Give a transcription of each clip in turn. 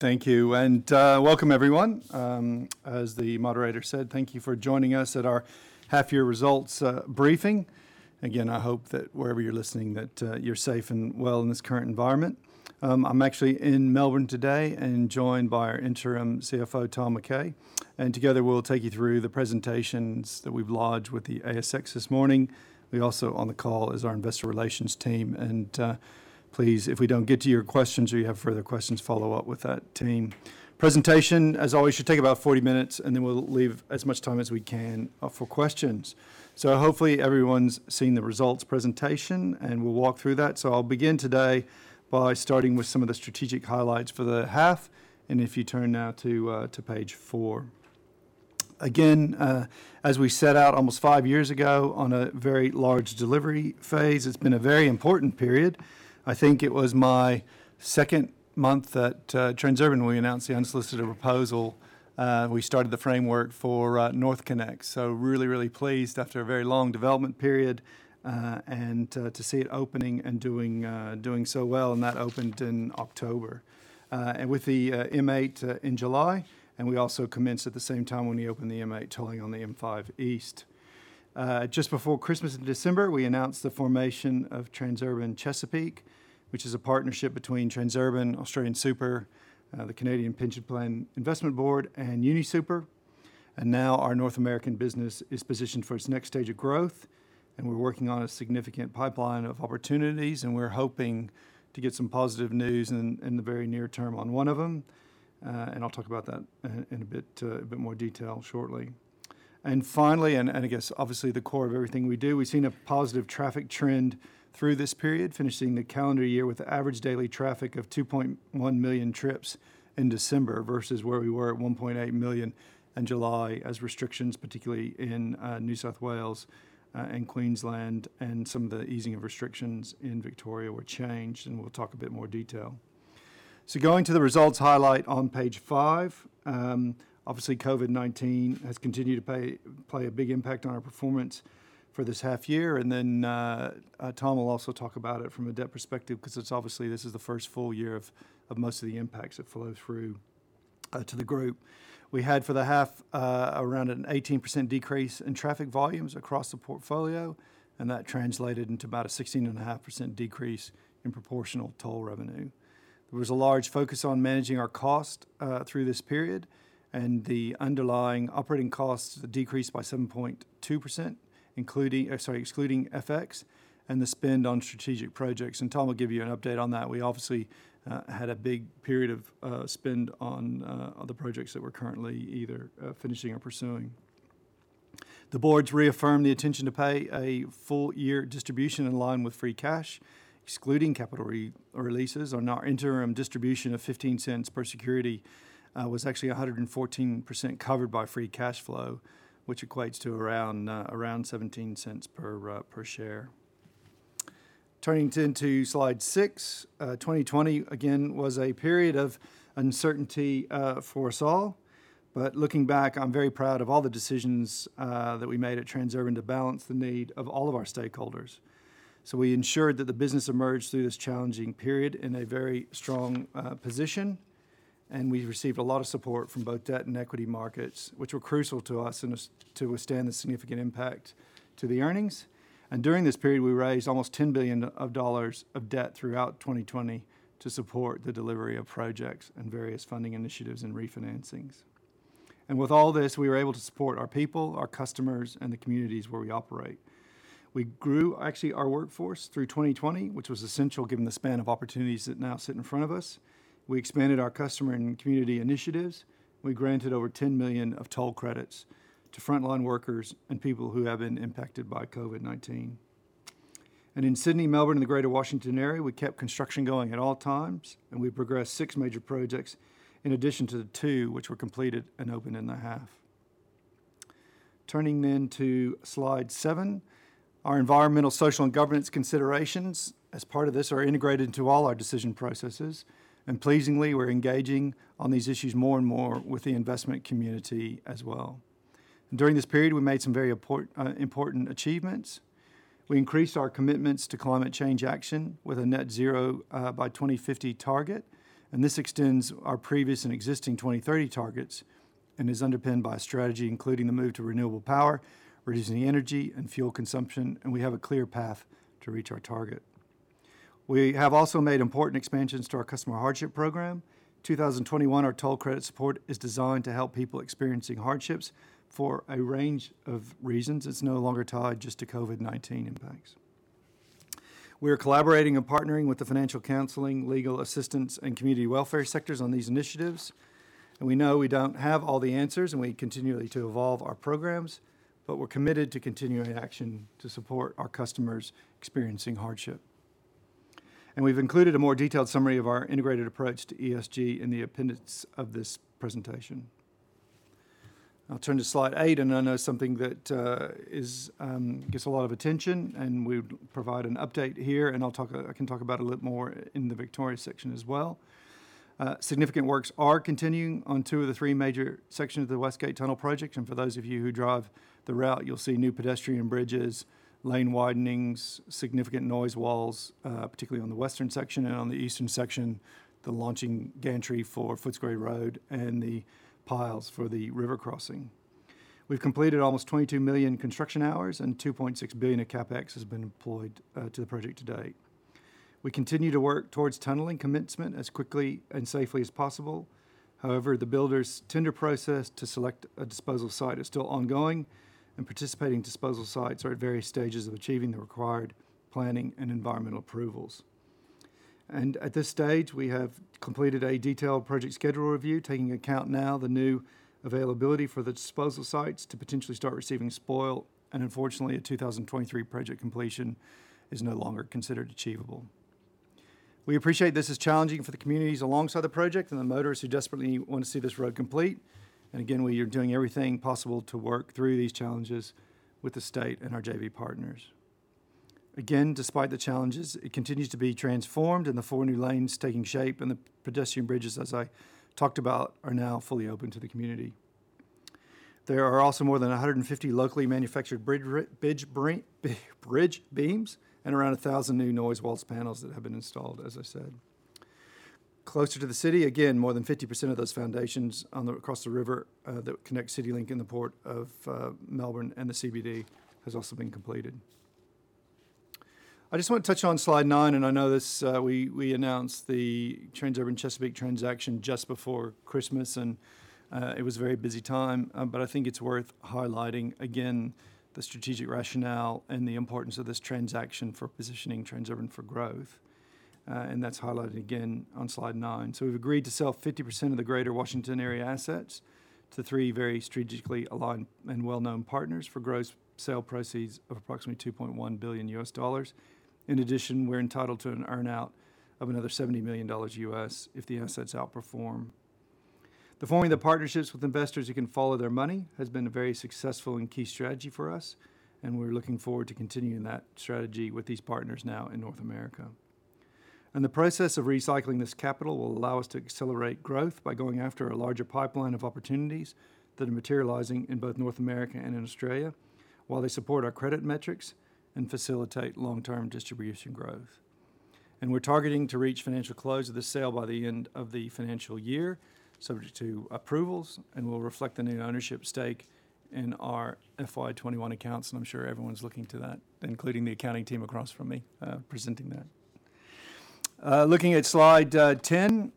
Thank you. Welcome everyone. As the moderator said, thank you for joining us at our half year results briefing. I hope that wherever you're listening that you're safe and well in this current environment. I'm actually in Melbourne today and joined by our interim CFO, Tom McKay, and together we'll take you through the presentations that we've lodged with the ASX this morning. Also on the call is our investor relations team, and please, if we don't get to your questions or you have further questions, follow up with that team. Presentation, as always, should take about 40 minutes, and then we'll leave as much time as we can for questions. Hopefully everyone's seen the results presentation, and we'll walk through that. I'll begin today by starting with some of the strategic highlights for the half. If you turn now to page four. As we set out almost five years ago on a very large delivery phase, it's been a very important period. I think it was my second month at Transurban, we announced the unsolicited proposal. We started the framework for NorthConnex, really pleased after a very long development period, to see it opening and doing so well, that opened in October. With the M8 in July, we also commenced at the same time when we opened the M8 tolling on the M5 East. Just before Christmas in December, we announced the formation of Transurban Chesapeake, which is a partnership between Transurban, AustralianSuper, the Canada Pension Plan Investment Board, and UniSuper. Now our North American business is positioned for its next stage of growth, and we're working on a significant pipeline of opportunities, and we're hoping to get some positive news in the very near term on one of them. I'll talk about that in a bit more detail shortly. Finally, I guess obviously the core of everything we do, we've seen a positive traffic trend through this period, finishing the calendar year with average daily traffic of 2.1 million trips in December versus where we were at 1.8 million in July as restrictions, particularly in New South Wales and Queensland and some of the easing of restrictions in Victoria were changed, and we'll talk a bit more detail. Going to the results highlight on page five. Obviously, COVID-19 has continued to play a big impact on our performance for this half year, and then Tom will also talk about it from a debt perspective because obviously this is the first full year of most of the impacts that flow through to the group. We had for the half around an 18% decrease in traffic volumes across the portfolio, and that translated into about a 16.5% decrease in proportional toll revenue. There was a large focus on managing our cost through this period, and the underlying operating costs decreased by 7.2% excluding FX, and the spend on strategic projects, and Tom will give you an update on that. We obviously had a big period of spend on the projects that we're currently either finishing or pursuing. The boards reaffirmed the intention to pay a full year distribution in line with free cash, excluding capital releases. Our interim distribution of 0.15 per security was actually 114% covered by free cash flow, which equates to around 0.17 per share. Turning to slide six. 2020, again, was a period of uncertainty for us all. Looking back, I'm very proud of all the decisions that we made at Transurban to balance the need of all of our stakeholders. We ensured that the business emerged through this challenging period in a very strong position, and we received a lot of support from both debt and equity markets, which were crucial to us to withstand the significant impact to the earnings. During this period, we raised almost 10 billion dollars of debt throughout 2020 to support the delivery of projects and various funding initiatives and refinancings. With all this, we were able to support our people, our customers, and the communities where we operate. We grew actually our workforce through 2020, which was essential given the span of opportunities that now sit in front of us. We expanded our customer and community initiatives. We granted over 10 million of toll credits to frontline workers and people who have been impacted by COVID-19. In Sydney, Melbourne, and the Greater Washington Area, we kept construction going at all times, and we progressed six major projects in addition to the two which were completed and opened in the half. Turning to slide seven. Our environmental, social, and governance considerations as part of this are integrated into all our decision processes. Pleasingly, we're engaging on these issues more and more with the investment community as well. During this period, we made some very important achievements. We increased our commitments to climate change action with a net zero by 2050 target. This extends our previous and existing 2030 targets and is underpinned by a strategy including the move to renewable power, reducing energy and fuel consumption. We have a clear path to reach our target. We have also made important expansions to our customer hardship program. 2021, our toll credit support is designed to help people experiencing hardships for a range of reasons. It's no longer tied just to COVID-19 impacts. We are collaborating and partnering with the financial counseling, legal assistance, and community welfare sectors on these initiatives. We know we don't have all the answers, we continue to evolve our programs, but we're committed to continuing action to support our customers experiencing hardship. We've included a more detailed summary of our integrated approach to ESG in the appendix of this presentation. I'll turn to slide eight, and I know something that gets a lot of attention, and we provide an update here, and I can talk about a little more in the Victoria section as well. Significant works are continuing on two of the three major sections of the West Gate Tunnel project, and for those of you who drive the route, you'll see new pedestrian bridges, lane widenings, significant noise walls, particularly on the western section and on the eastern section, the launching gantry for Footscray Road and the piles for the river crossing. We've completed almost 22 million construction hours and 2.6 billion of CapEx has been employed to the project to date. We continue to work towards tunneling commencement as quickly and safely as possible. However, the builder's tender process to select a disposal site is still ongoing, participating disposal sites are at various stages of achieving the required planning and environmental approvals. At this stage, we have completed a detailed project schedule review, taking account now the new availability for the disposal sites to potentially start receiving spoil. Unfortunately, a 2023 project completion is no longer considered achievable. We appreciate this is challenging for the communities alongside the project and the motorists who desperately want to see this road complete. Again, we are doing everything possible to work through these challenges with the state and our JV partners. Again, despite the challenges, it continues to be transformed and the four new lanes taking shape and the pedestrian bridges, as I talked about, are now fully open to the community. There are also more than 150 locally manufactured bridge beams and around 1,000 new noise walls panels that have been installed, as I said. Closer to the city, again, more than 50% of those foundations across the river that connect CityLink and the Port of Melbourne and the CBD has also been completed. I just want to touch on slide nine. I know we announced the Transurban Chesapeake transaction just before Christmas and it was a very busy time. I think it's worth highlighting again the strategic rationale and the importance of this transaction for positioning Transurban for growth. That's highlighted again on slide nine. We've agreed to sell 50% of the greater Washington area assets to three very strategically aligned and well-known partners for gross sale proceeds of approximately $2.1 billion. We're entitled to an earn-out of another $70 million U.S. if the assets outperform. Forming the partnerships with investors who can follow their money has been a very successful and key strategy for us. We're looking forward to continuing that strategy with these partners now in North America. The process of recycling this capital will allow us to accelerate growth by going after a larger pipeline of opportunities that are materializing in both North America and in Australia while they support our credit metrics and facilitate long-term distribution growth. We're targeting to reach financial close of the sale by the end of the financial year, subject to approvals, and will reflect the new ownership stake in our FY 2021 accounts. I'm sure everyone's looking to that, including the accounting team across from me presenting that. Looking at slide 10.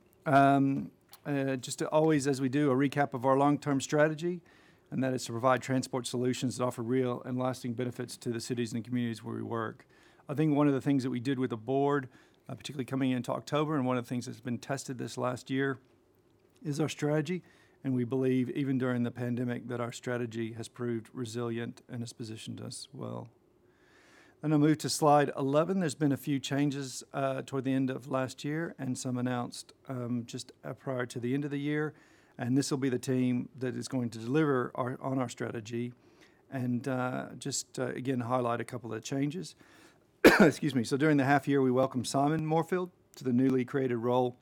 Just to always, as we do, a recap of our long-term strategy, and that is to provide transport solutions that offer real and lasting benefits to the cities and communities where we work. I think one of the things that we did with the board, particularly coming into October, and one of the things that's been tested this last year is our strategy, and we believe even during the pandemic, that our strategy has proved resilient and has positioned us well. I'm going to move to slide 11. There's been a few changes toward the end of last year and some announced just prior to the end of the year, and this will be the team that is going to deliver on our strategy. Just again, highlight a couple of changes. Excuse me. During the half year, we welcomed Simon Moorfield to the newly created role,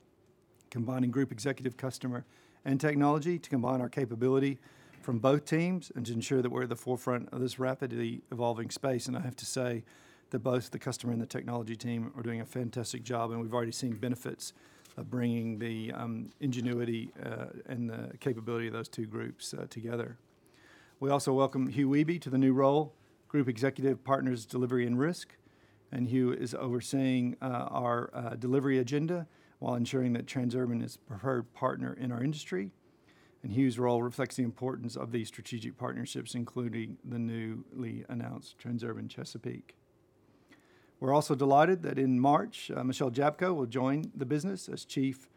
combining Group Executive, Customer and Technology to combine our capability from both teams and to ensure that we're at the forefront of this rapidly evolving space. I have to say that both the customer and the technology team are doing a fantastic job, and we've already seen benefits of bringing the ingenuity and the capability of those two groups together. We also welcome Hugh Wehby to the new role, Group Executive, Partners, Delivery and Risk. Hugh is overseeing our delivery agenda while ensuring that Transurban is preferred partner in our industry. Hugh's role reflects the importance of these strategic partnerships, including the newly announced Transurban Chesapeake. We're also delighted that in March, Michelle Jablko will join the business as Chief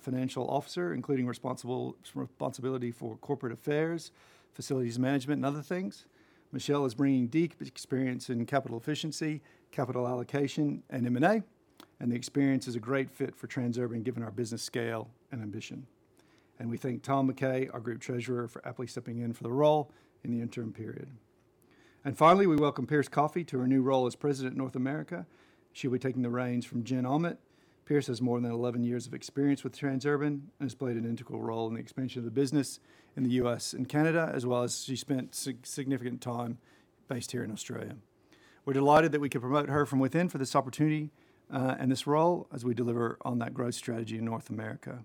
Financial Officer, including responsibility for corporate affairs, facilities management, and other things. Michelle is bringing deep experience in capital efficiency, capital allocation, and M&A, the experience is a great fit for Transurban given our business scale and ambition. We thank Tom McKay, our group treasurer, for aptly stepping in for the role in the interim period. Finally, we welcome Pierce Coffee to her new role as President, North America. She'll be taking the reins from Jen Aument. Pierce has more than 11 years of experience with Transurban and has played an integral role in the expansion of the business in the U.S. and Canada, as well as she spent significant time based here in Australia. We're delighted that we could promote her from within for this opportunity and this role as we deliver on that growth strategy in North America.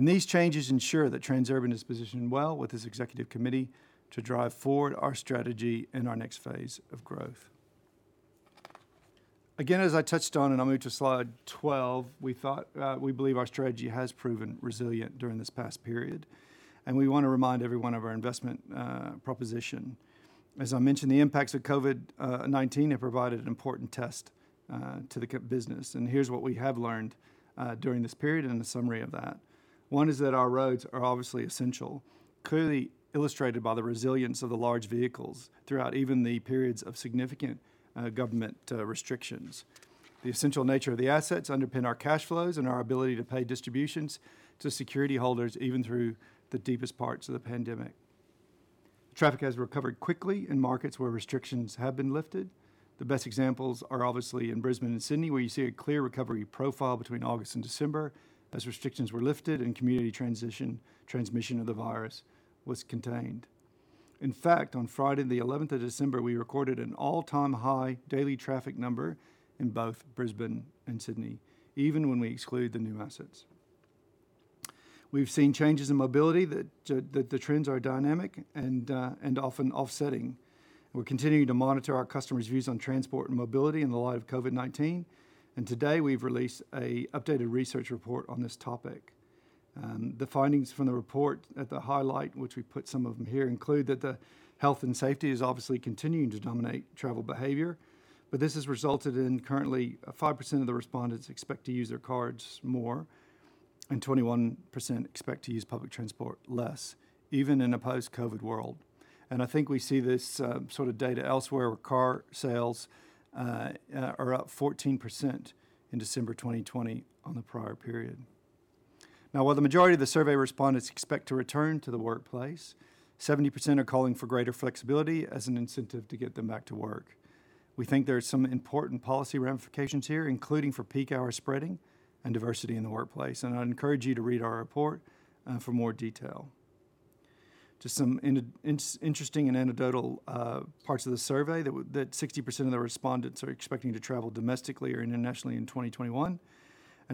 These changes ensure that Transurban is positioned well with this executive committee to drive forward our strategy and our next phase of growth. Again, as I touched on, and I'll move to slide 12, we believe our strategy has proven resilient during this past period, and we want to remind everyone of our investment proposition. As I mentioned, the impacts of COVID-19 have provided an important test to the business, and here's what we have learned during this period and a summary of that. One is that our roads are obviously essential, clearly illustrated by the resilience of the large vehicles throughout even the periods of significant government restrictions. The essential nature of the assets underpin our cash flows and our ability to pay distributions to security holders, even through the deepest parts of the pandemic. Traffic has recovered quickly in markets where restrictions have been lifted. The best examples are obviously in Brisbane and Sydney, where you see a clear recovery profile between August and December as restrictions were lifted and community transmission of the virus was contained. In fact, on Friday the 11th of December, we recorded an all-time high daily traffic number in both Brisbane and Sydney, even when we exclude the new assets. We've seen changes in mobility that the trends are dynamic and often offsetting. We're continuing to monitor our customers' views on transport and mobility in the light of COVID-19. Today we've released an updated research report on this topic. The findings from the report at the highlight, which we put some of them here, include that the health and safety is obviously continuing to dominate travel behavior. This has resulted in currently 5% of the respondents expect to use their cars more, and 21% expect to use public transport less, even in a post-COVID-19 world. I think we see this sort of data elsewhere where car sales are up 14% in December 2020 on the prior period. Now while the majority of the survey respondents expect to return to the workplace, 70% are calling for greater flexibility as an incentive to get them back to work. We think there are some important policy ramifications here, including for peak hour spreading and diversity in the workplace. I'd encourage you to read our report for more detail. Just some interesting and anecdotal parts of the survey that 60% of the respondents are expecting to travel domestically or internationally in 2021.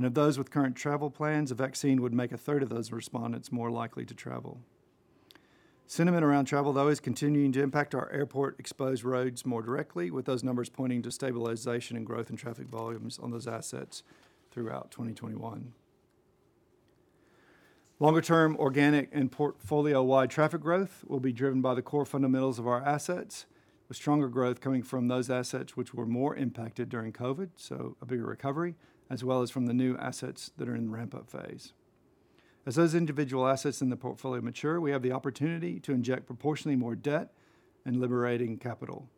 Of those with current travel plans, a vaccine would make a third of those respondents more likely to travel. Sentiment around travel, though, is continuing to impact our airport exposed roads more directly, with those numbers pointing to stabilization and growth in traffic volumes on those assets throughout 2021. Longer term organic and portfolio-wide traffic growth will be driven by the core fundamentals of our assets, with stronger growth coming from those assets which were more impacted during COVID, so a bigger recovery, as well as from the new assets that are in the ramp-up phase. As those individual assets in the portfolio mature, we have the opportunity to inject proportionally more debt and liberating capital.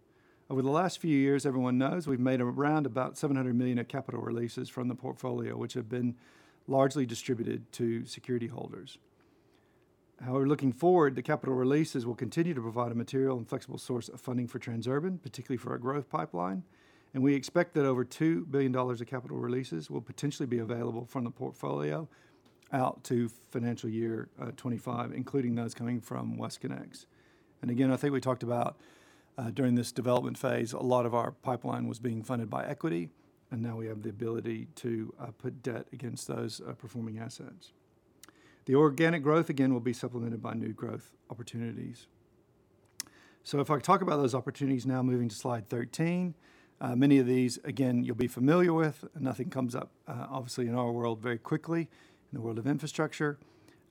Over the last few years, everyone knows we've made around about 700 million of capital releases from the portfolio, which have been largely distributed to security holders. Looking forward, the capital releases will continue to provide a material and flexible source of funding for Transurban, particularly for our growth pipeline, and we expect that over 2 billion dollars of capital releases will potentially be available from the portfolio out to FY 2025, including those coming from WestConnex. Again, I think we talked about during this development phase, a lot of our pipeline was being funded by equity, and now we have the ability to put debt against those performing assets. The organic growth, again, will be supplemented by new growth opportunities. If I talk about those opportunities now, moving to slide 13. Many of these, again, you'll be familiar with. Nothing comes up, obviously, in our world very quickly in the world of infrastructure.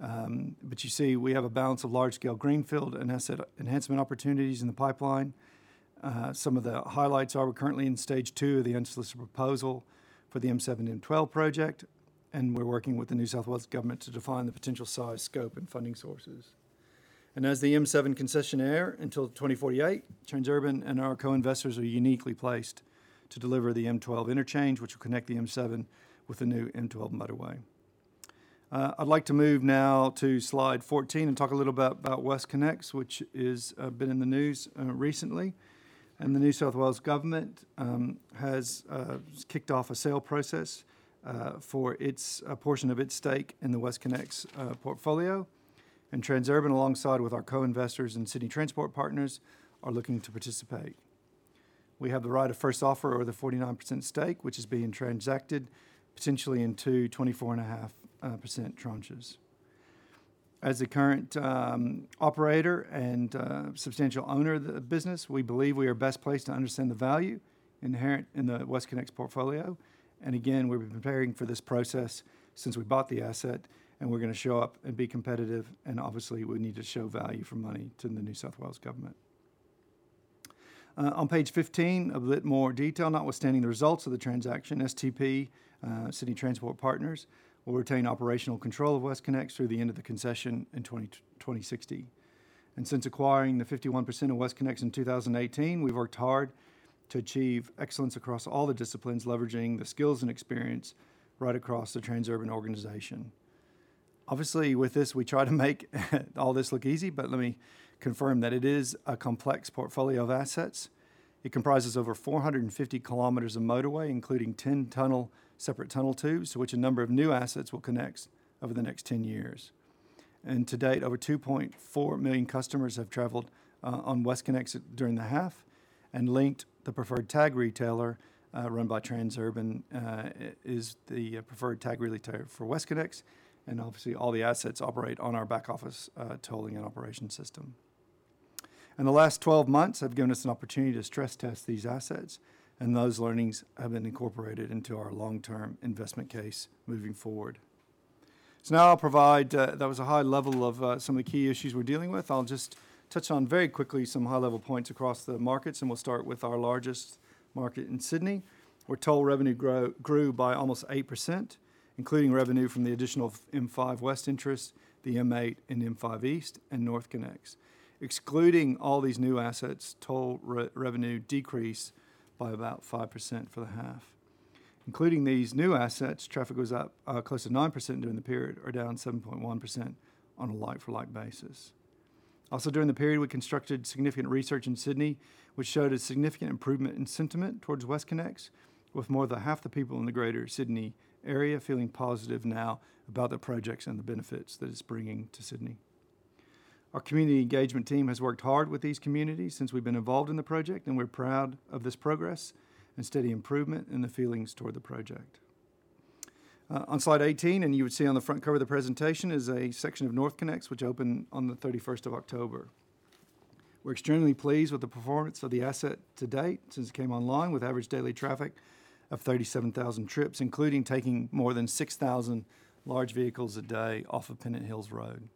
You see we have a balance of large-scale greenfield and asset enhancement opportunities in the pipeline. Some of the highlights are we're currently in Stage 2 of the unsolicited proposal for the M7 and M12 project, and we're working with the New South Wales Government to define the potential size, scope, and funding sources. As the M7 concessionaire until 2048, Transurban and our co-investors are uniquely placed to deliver the M12 interchange, which will connect the M7 with the new M12 motorway. I'd like to move now to slide 14 and talk a little bit about WestConnex, which has been in the news recently, and the New South Wales Government has kicked off a sale process for a portion of its stake in the WestConnex portfolio. Transurban, alongside with our co-investors and Sydney Transport Partners, are looking to participate. We have the right of first offer over the 49% stake, which is being transacted potentially in two 24.5% tranches. As the current operator and substantial owner of the business, we believe we are best placed to understand the value inherent in the WestConnex portfolio. Again, we've been preparing for this process since we bought the asset, and we're going to show up and be competitive, and obviously, we need to show value for money to the New South Wales Government. On page 15, a bit more detail notwithstanding the results of the transaction, STP, Sydney Transport Partners, will retain operational control of WestConnex through the end of the concession in 2060. Since acquiring the 51% of WestConnex in 2018, we've worked hard to achieve excellence across all the disciplines, leveraging the skills and experience right across the Transurban organization. Obviously, with this, we try to make all this look easy, but let me confirm that it is a complex portfolio of assets. It comprises over 450 kilometers of motorway, including 10 separate tunnel tubes, to which a number of new assets will connect over the next 10 years. To date, over 2.4 million customers have traveled on WestConnex during the half and Linkt, the preferred tag retailer run by Transurban, is the preferred tag retailer for WestConnex. Obviously, all the assets operate on our back-office tolling and operation system. The last 12 months have given us an opportunity to stress test these assets, and those learnings have been incorporated into our long-term investment case moving forward. Now that was a high level of some of the key issues we're dealing with. I'll just touch on very quickly some high-level points across the markets, and we'll start with our largest market in Sydney, where toll revenue grew by almost 8%, including revenue from the additional M5 West interests, the M8 and M5 East and NorthConnex. Excluding all these new assets, toll revenue decreased by about 5% for the half. Including these new assets, traffic was up close to 9% during the period or down 7.1% on a like-for-like basis. During the period, we constructed significant research in Sydney, which showed a significant improvement in sentiment towards WestConnex, with more than half the people in the greater Sydney area feeling positive now about the projects and the benefits that it's bringing to Sydney. Our community engagement team has worked hard with these communities since we've been involved in the project, and we're proud of this progress and steady improvement in the feelings toward the project. On slide 18, you would see on the front cover of the presentation, is a section of NorthConnex, which opened on the 31st of October. We're extremely pleased with the performance of the asset to date since it came online, with average daily traffic of 37,000 trips, including taking more than 6,000 large vehicles a day off of Pennant Hills Road.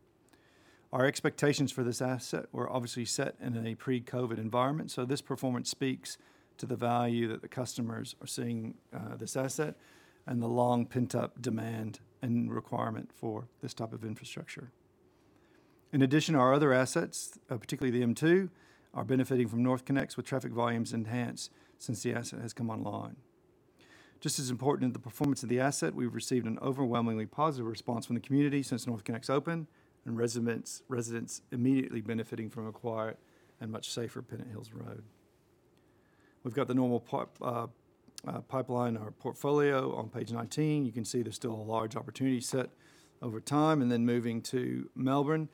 Our expectations for this asset were obviously set in a pre-COVID-19 environment, this performance speaks to the value that the customers are seeing this asset and the long pent-up demand and requirement for this type of infrastructure. In addition, our other assets, particularly the M2, are benefiting from NorthConnex with traffic volumes enhanced since the asset has come online. Just as important as the performance of the asset, we've received an overwhelmingly positive response from the community since NorthConnex opened and residents immediately benefiting from a quiet and much safer Pennant Hills Road. We've got the normal pipeline in our portfolio on page 19. You can see there's still a large opportunity set over time. Moving to Melbourne,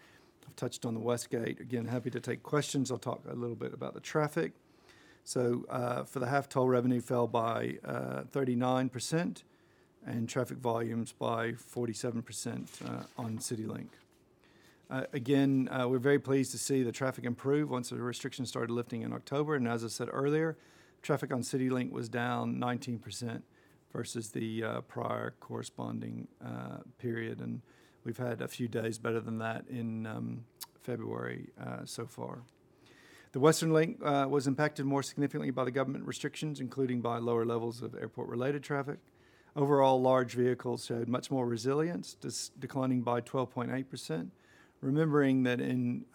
I've touched on the West Gate. Again, happy to take questions. I'll talk a little bit about the traffic. For the half toll revenue fell by 39% and traffic volumes by 47% on CityLink. Again, we're very pleased to see the traffic improve once the restrictions started lifting in October. As I said earlier, traffic on CityLink was down 19% versus the prior corresponding period, and we've had a few days better than that in February so far. The Western Link was impacted more significantly by the government restrictions, including by lower levels of airport-related traffic. Overall, large vehicles showed much more resilience, declining by 12.8%. Remembering that in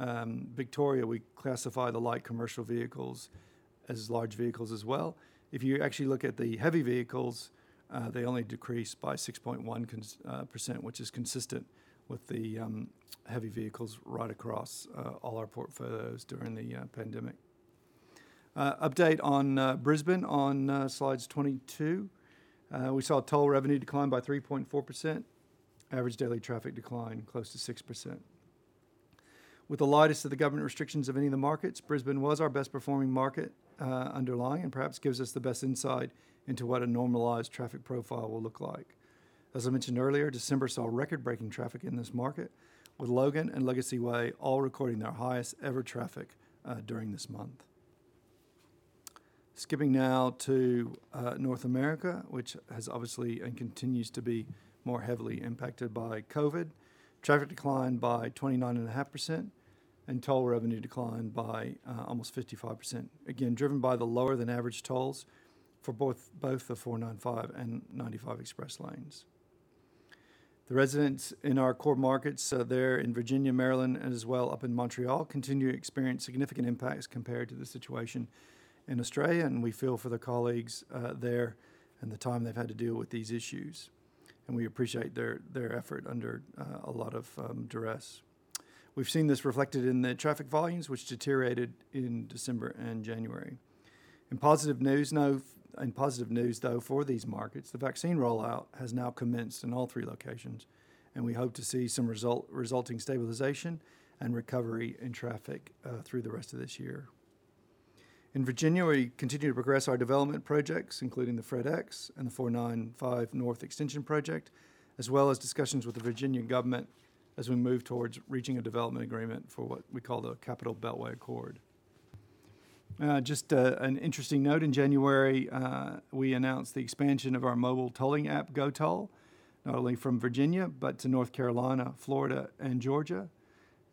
Victoria we classify the light commercial vehicles as large vehicles as well. If you actually look at the heavy vehicles, they only decrease by 6.1% which is consistent with the heavy vehicles right across all our portfolios during the pandemic. Update on Brisbane on slides 22. We saw toll revenue decline by 3.4%, average daily traffic decline close to 6%. With the lightest of the government restrictions of any of the markets, Brisbane was our best performing market underlying and perhaps gives us the best insight into what a normalized traffic profile will look like. As I mentioned earlier, December saw record-breaking traffic in this market with Logan and Legacy Way all recording their highest ever traffic during this month. Skipping now to North America, which has obviously and continues to be more heavily impacted by COVID. Traffic declined by 29.5% and toll revenue declined by almost 55%. Again, driven by the lower than average tolls for both the 495 and 95 Express Lanes. The residents in our core markets there in Virginia, Maryland, and as well up in Montreal, continue to experience significant impacts compared to the situation in Australia, and we feel for the colleagues there and the time they've had to deal with these issues. We appreciate their effort under a lot of duress. We've seen this reflected in the traffic volumes which deteriorated in December and January. In positive news, though, for these markets, the vaccine rollout has now commenced in all three locations, and we hope to see some resulting stabilization and recovery in traffic through the rest of this year. In Virginia, we continue to progress our development projects, including the FredEx and the 495 North Extension project, as well as discussions with the Virginia government as we move towards reaching a development agreement for what we call the Capital Beltway Accord. Just an interesting note, in January, we announced the expansion of our mobile tolling app, GoToll, not only from Virginia, but to North Carolina, Florida, and Georgia.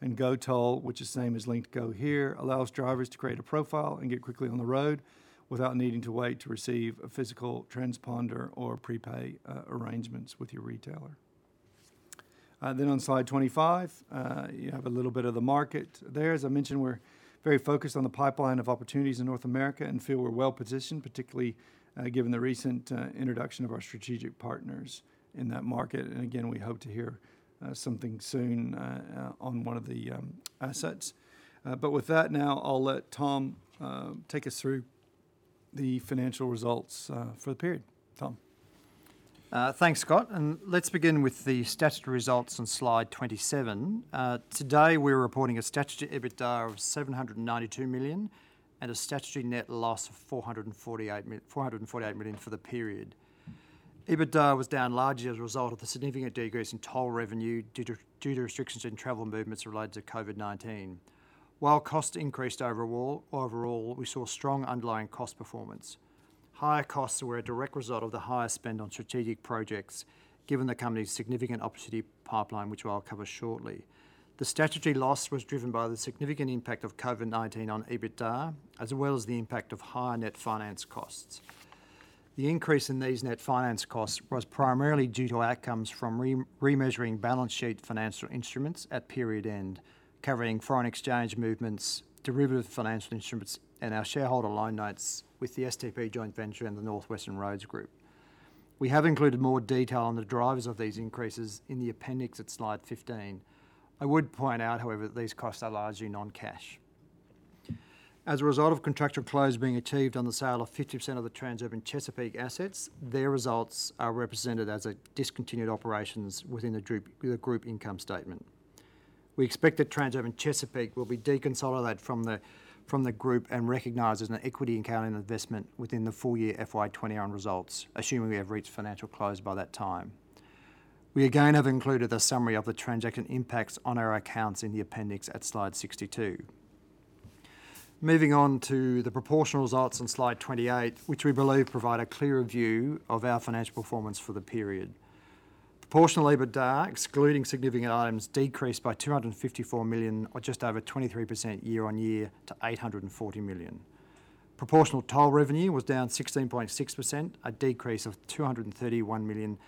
GoToll, which is same as LinktGO here, allows drivers to create a profile and get quickly on the road without needing to wait to receive a physical transponder or prepay arrangements with your retailer. On slide 25, you have a little bit of the market there. As I mentioned, we're very focused on the pipeline of opportunities in North America and feel we're well-positioned, particularly given the recent introduction of our strategic partners in that market. Again, we hope to hear something soon on one of the assets. With that now, I'll let Tom take us through the financial results for the period. Tom? Thanks, Scott. Let's begin with the statutory results on slide 27. Today, we're reporting a statutory EBITDA of 792 million and a statutory net loss of 448 million for the period. EBITDA was down largely as a result of the significant decrease in toll revenue due to restrictions in travel movements related to COVID-19. While cost increased overall, we saw strong underlying cost performance. Higher costs were a direct result of the higher spend on strategic projects given the company's significant opportunity pipeline, which I'll cover shortly. The statutory loss was driven by the significant impact of COVID-19 on EBITDA, as well as the impact of higher net finance costs. The increase in these net finance costs was primarily due to outcomes from remeasuring balance sheet financial instruments at period end, covering foreign exchange movements, derivative financial instruments, and our shareholder loan notes with the STP joint venture and the NorthWestern Roads Group. We have included more detail on the drivers of these increases in the appendix at slide 15. I would point out, however, that these costs are largely non-cash. As a result of contractual close being achieved on the sale of 50% of the Transurban Chesapeake assets, their results are represented as a discontinued operations within the group income statement. We expect that Transurban Chesapeake will be deconsolidated from the group and recognized as an equity accounting investment within the full year FY 2021 results, assuming we have reached financial close by that time. We again have included a summary of the transaction impacts on our accounts in the appendix at slide 62. Moving on to the proportional results on slide 28, which we believe provide a clearer view of our financial performance for the period. Proportional EBITDA, excluding significant items, decreased by 254 million or just over 23% year-on-year to 840 million. Proportional toll revenue was down 16.6%, a decrease of 231 million,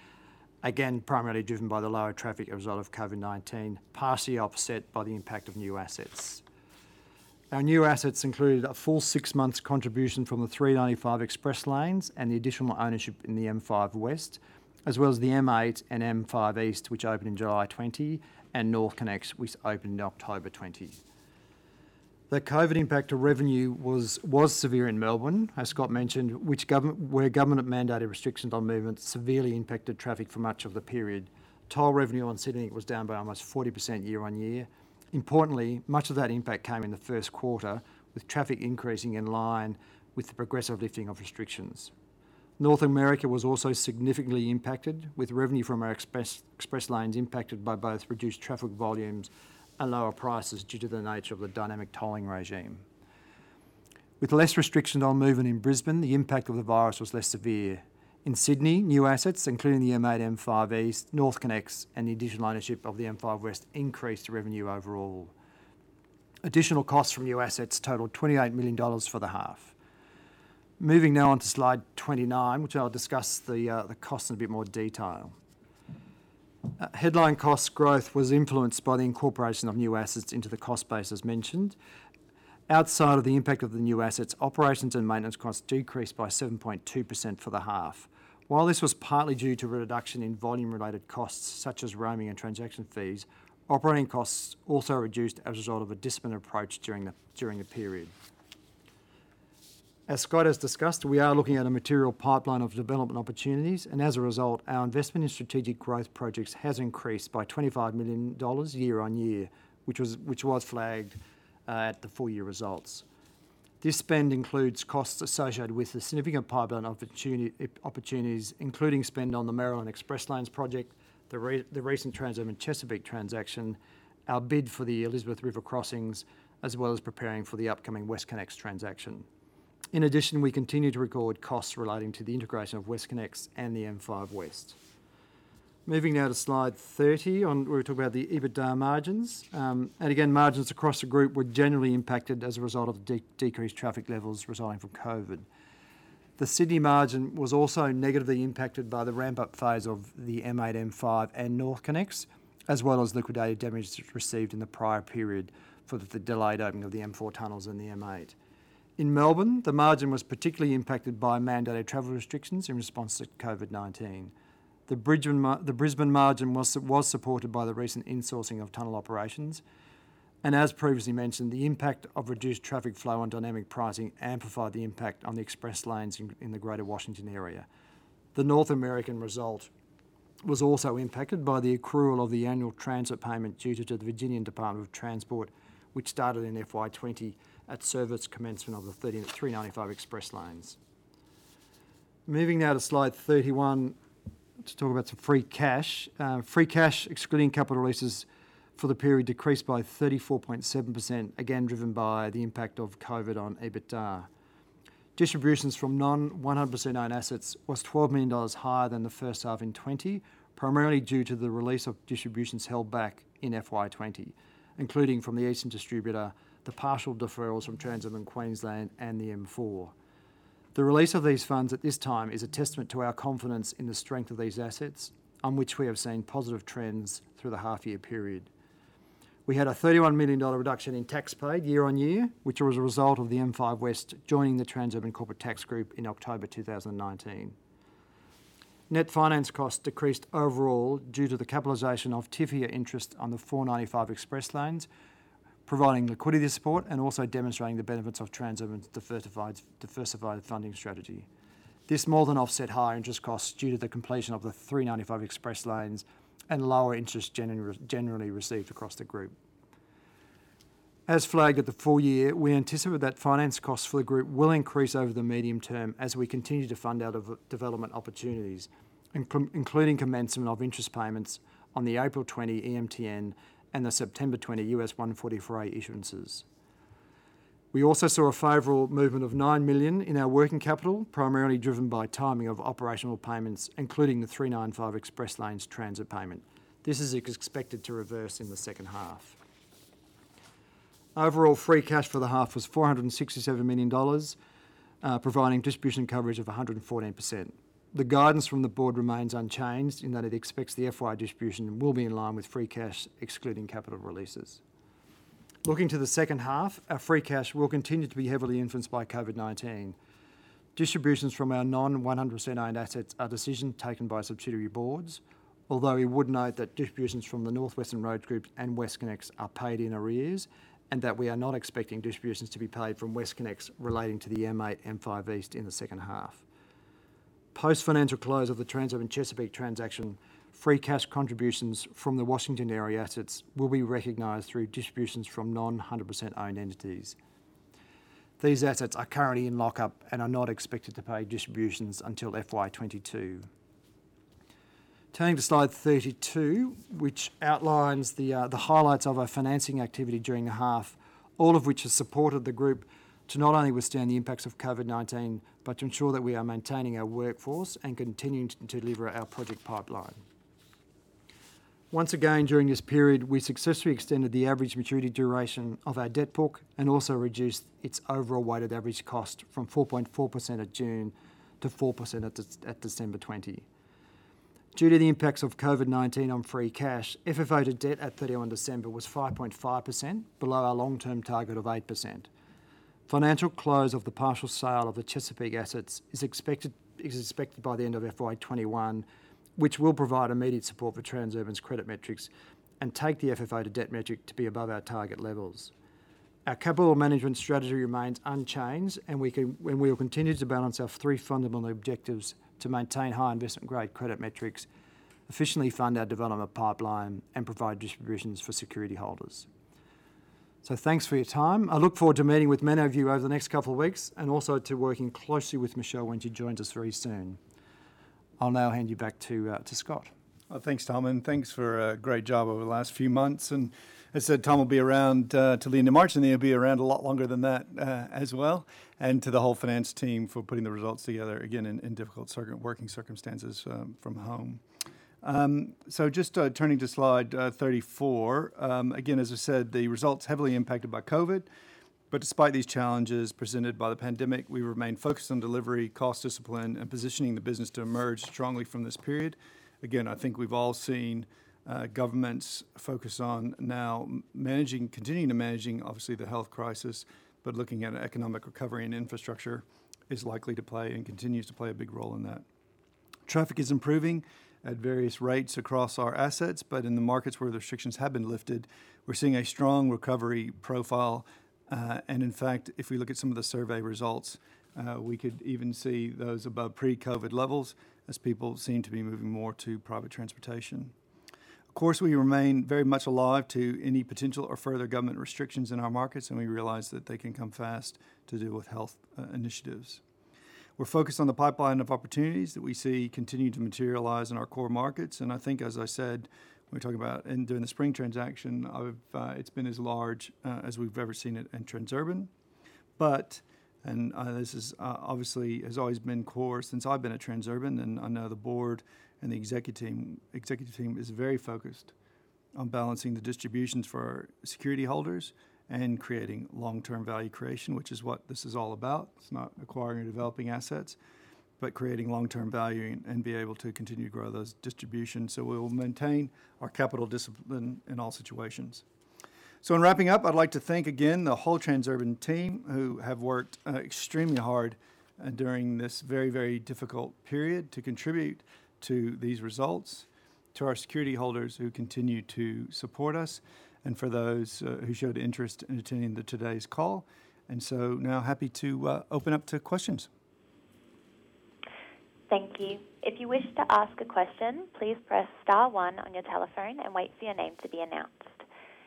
again, primarily driven by the lower traffic as a result of COVID-19, partially offset by the impact of new assets. Our new assets included a full six months contribution from the 395 Express Lanes and the additional ownership in the M5 West, as well as the M8 and M5 East, which opened in July 2020, and NorthConnex, which opened in October 2020. The COVID impact to revenue was severe in Melbourne, as Scott mentioned, where government-mandated restrictions on movement severely impacted traffic for much of the period. Toll revenue on Sydney was down by almost 40% year-on-year. Importantly, much of that impact came in the first quarter, with traffic increasing in line with the progressive lifting of restrictions. North America was also significantly impacted, with revenue from our express lanes impacted by both reduced traffic volumes and lower prices due to the nature of the dynamic tolling regime. With less restriction on movement in Brisbane, the impact of the virus was less severe. In Sydney, new assets, including the M8, M5 East, NorthConnex, and the additional ownership of the M5 West increased revenue overall. Additional costs from new assets totaled 28 million dollars for the half. Moving now on to slide 29, which I'll discuss the costs in a bit more detail. Headline cost growth was influenced by the incorporation of new assets into the cost base, as mentioned. Outside of the impact of the new assets, operations and maintenance costs decreased by 7.2% for the half. While this was partly due to a reduction in volume-related costs such as roaming and transaction fees, operating costs also reduced as a result of a disciplined approach during the period. As Scott has discussed, we are looking at a material pipeline of development opportunities, and as a result, our investment in strategic growth projects has increased by 25 million dollars year-on-year, which was flagged at the full-year results. This spend includes costs associated with the significant pipeline of opportunities, including spend on the Maryland Express Lanes project, the recent Transurban Chesapeake transaction, our bid for the Elizabeth River Crossings, as well as preparing for the upcoming WestConnex transaction. We continue to record costs relating to the integration of WestConnex and the M5 West. Moving now to slide 30, where we talk about the EBITDA margins. Margins across the group were generally impacted as a result of decreased traffic levels resulting from COVID. The Sydney margin was also negatively impacted by the ramp-up phase of the M8, M5, and NorthConnex, as well as liquidated damages received in the prior period for the delayed opening of the M4 tunnels and the M8. In Melbourne, the margin was particularly impacted by mandatory travel restrictions in response to COVID-19. The Brisbane margin was supported by the recent insourcing of tunnel operations. As previously mentioned, the impact of reduced traffic flow on dynamic pricing amplified the impact on the express lanes in the Greater Washington area. The North American result was also impacted by the accrual of the annual transit payment due to the Virginia Department of Transportation, which started in FY 2020 at service commencement of the 395 Express Lanes. Moving now to slide 31 to talk about some free cash. Free cash, excluding capital releases for the period, decreased by 34.7%, again driven by the impact of COVID-19 on EBITDA. Distributions from non-100% owned assets was 12 million dollars higher than the first half in 2020, primarily due to the release of distributions held back in FY 2020, including from the Eastern Distributor, the partial deferrals from Transurban Queensland, and the M4. The release of these funds at this time is a testament to our confidence in the strength of these assets, on which we have seen positive trends through the half-year period. We had an 31 million dollar reduction in tax paid year-on-year, which was a result of the M5 West joining the Transurban corporate tax group in October 2019. Net finance costs decreased overall due to the capitalization of TIFIA interest on the I-495 Express Lanes, providing liquidity support and also demonstrating the benefits of Transurban's diversified funding strategy. This more than offset higher interest costs due to the completion of the 395 Express Lanes and lower interest generally received across the group. As flagged at the full year, we anticipate that finance costs for the group will increase over the medium term as we continue to fund our development opportunities, including commencement of interest payments on the April 2020 EMTN and the September 2020 Rule 144A issuances. We also saw a favorable movement of 9 million in our working capital, primarily driven by timing of operational payments, including the I-395 Express Lanes transit payment. This is expected to reverse in the second half. Overall, free cash for the half was 467 million dollars, providing distribution coverage of 114%. The guidance from the board remains unchanged in that it expects the FY distribution will be in line with free cash, excluding capital releases. Looking to the second half, our free cash will continue to be heavily influenced by COVID-19. Distributions from our non-100% owned assets are decisions taken by subsidiary boards. Although we would note that distributions from the NorthWestern Roads Group and WestConnex are paid in arrears, and that we are not expecting distributions to be paid from WestConnex relating to the M8, M5 East in the second half. Post-financial close of the Transurban Chesapeake transaction, free cash contributions from the Washington area assets will be recognized through distributions from non-100% owned entities. These assets are currently in lockup and are not expected to pay distributions until FY 2022. Turning to slide 32, which outlines the highlights of our financing activity during the half, all of which has supported the group to not only withstand the impacts of COVID-19, but to ensure that we are maintaining our workforce and continuing to deliver our project pipeline. Once again, during this period, we successfully extended the average maturity duration of our debt book and also reduced its overall weighted average cost from 4.4% at June to 4% at December 2020. Due to the impacts of COVID-19 on free cash, FFO to debt at 31 December was 5.5%, below our long-term target of 8%. Financial close of the partial sale of the Chesapeake assets is expected by the end of FY 2021, which will provide immediate support for Transurban's credit metrics and take the FFO to debt metric to be above our target levels. Our capital management strategy remains unchanged, and we will continue to balance our three fundamental objectives to maintain high investment-grade credit metrics, efficiently fund our development pipeline, and provide distributions for security holders. Thanks for your time. I look forward to meeting with many of you over the next couple of weeks, and also to working closely with Michelle when she joins us very soon. I'll now hand you back to Scott. Thanks, Tom, and thanks for a great job over the last few months. As I said, Tom will be around till the end of March, and then he'll be around a lot longer than that as well. To the whole finance team for putting the results together, again, in difficult working circumstances from home. Just turning to slide 34. As I said, the results heavily impacted by COVID-19. Despite these challenges presented by the pandemic, we remain focused on delivery, cost discipline, and positioning the business to emerge strongly from this period. I think we've all seen governments focus on now continuing to managing, obviously, the health crisis, but looking at economic recovery and infrastructure is likely to play and continues to play a big role in that. Traffic is improving at various rates across our assets, but in the markets where the restrictions have been lifted, we're seeing a strong recovery profile. In fact, if we look at some of the survey results, we could even see those above pre-COVID levels as people seem to be moving more to private transportation. Of course, we remain very much alive to any potential or further government restrictions in our markets, and we realize that they can come fast to deal with health initiatives. We're focused on the pipeline of opportunities that we see continuing to materialize in our core markets. I think, as I said when we talk about doing the Spring transaction, it's been as large as we've ever seen it in Transurban. This obviously has always been core since I've been at Transurban, and I know the board and the executive team is very focused on balancing the distributions for our security holders and creating long-term value creation, which is what this is all about. It's not acquiring and developing assets, but creating long-term value and be able to continue to grow those distributions. We will maintain our capital discipline in all situations. In wrapping up, I'd like to thank again the whole Transurban team who have worked extremely hard during this very, very difficult period to contribute to these results, to our security holders who continue to support us, and for those who showed interest in attending today's call. Now happy to open up to questions. Thank you. If you wish to ask a question, please press star one on your telephone and wait for your name to be announced.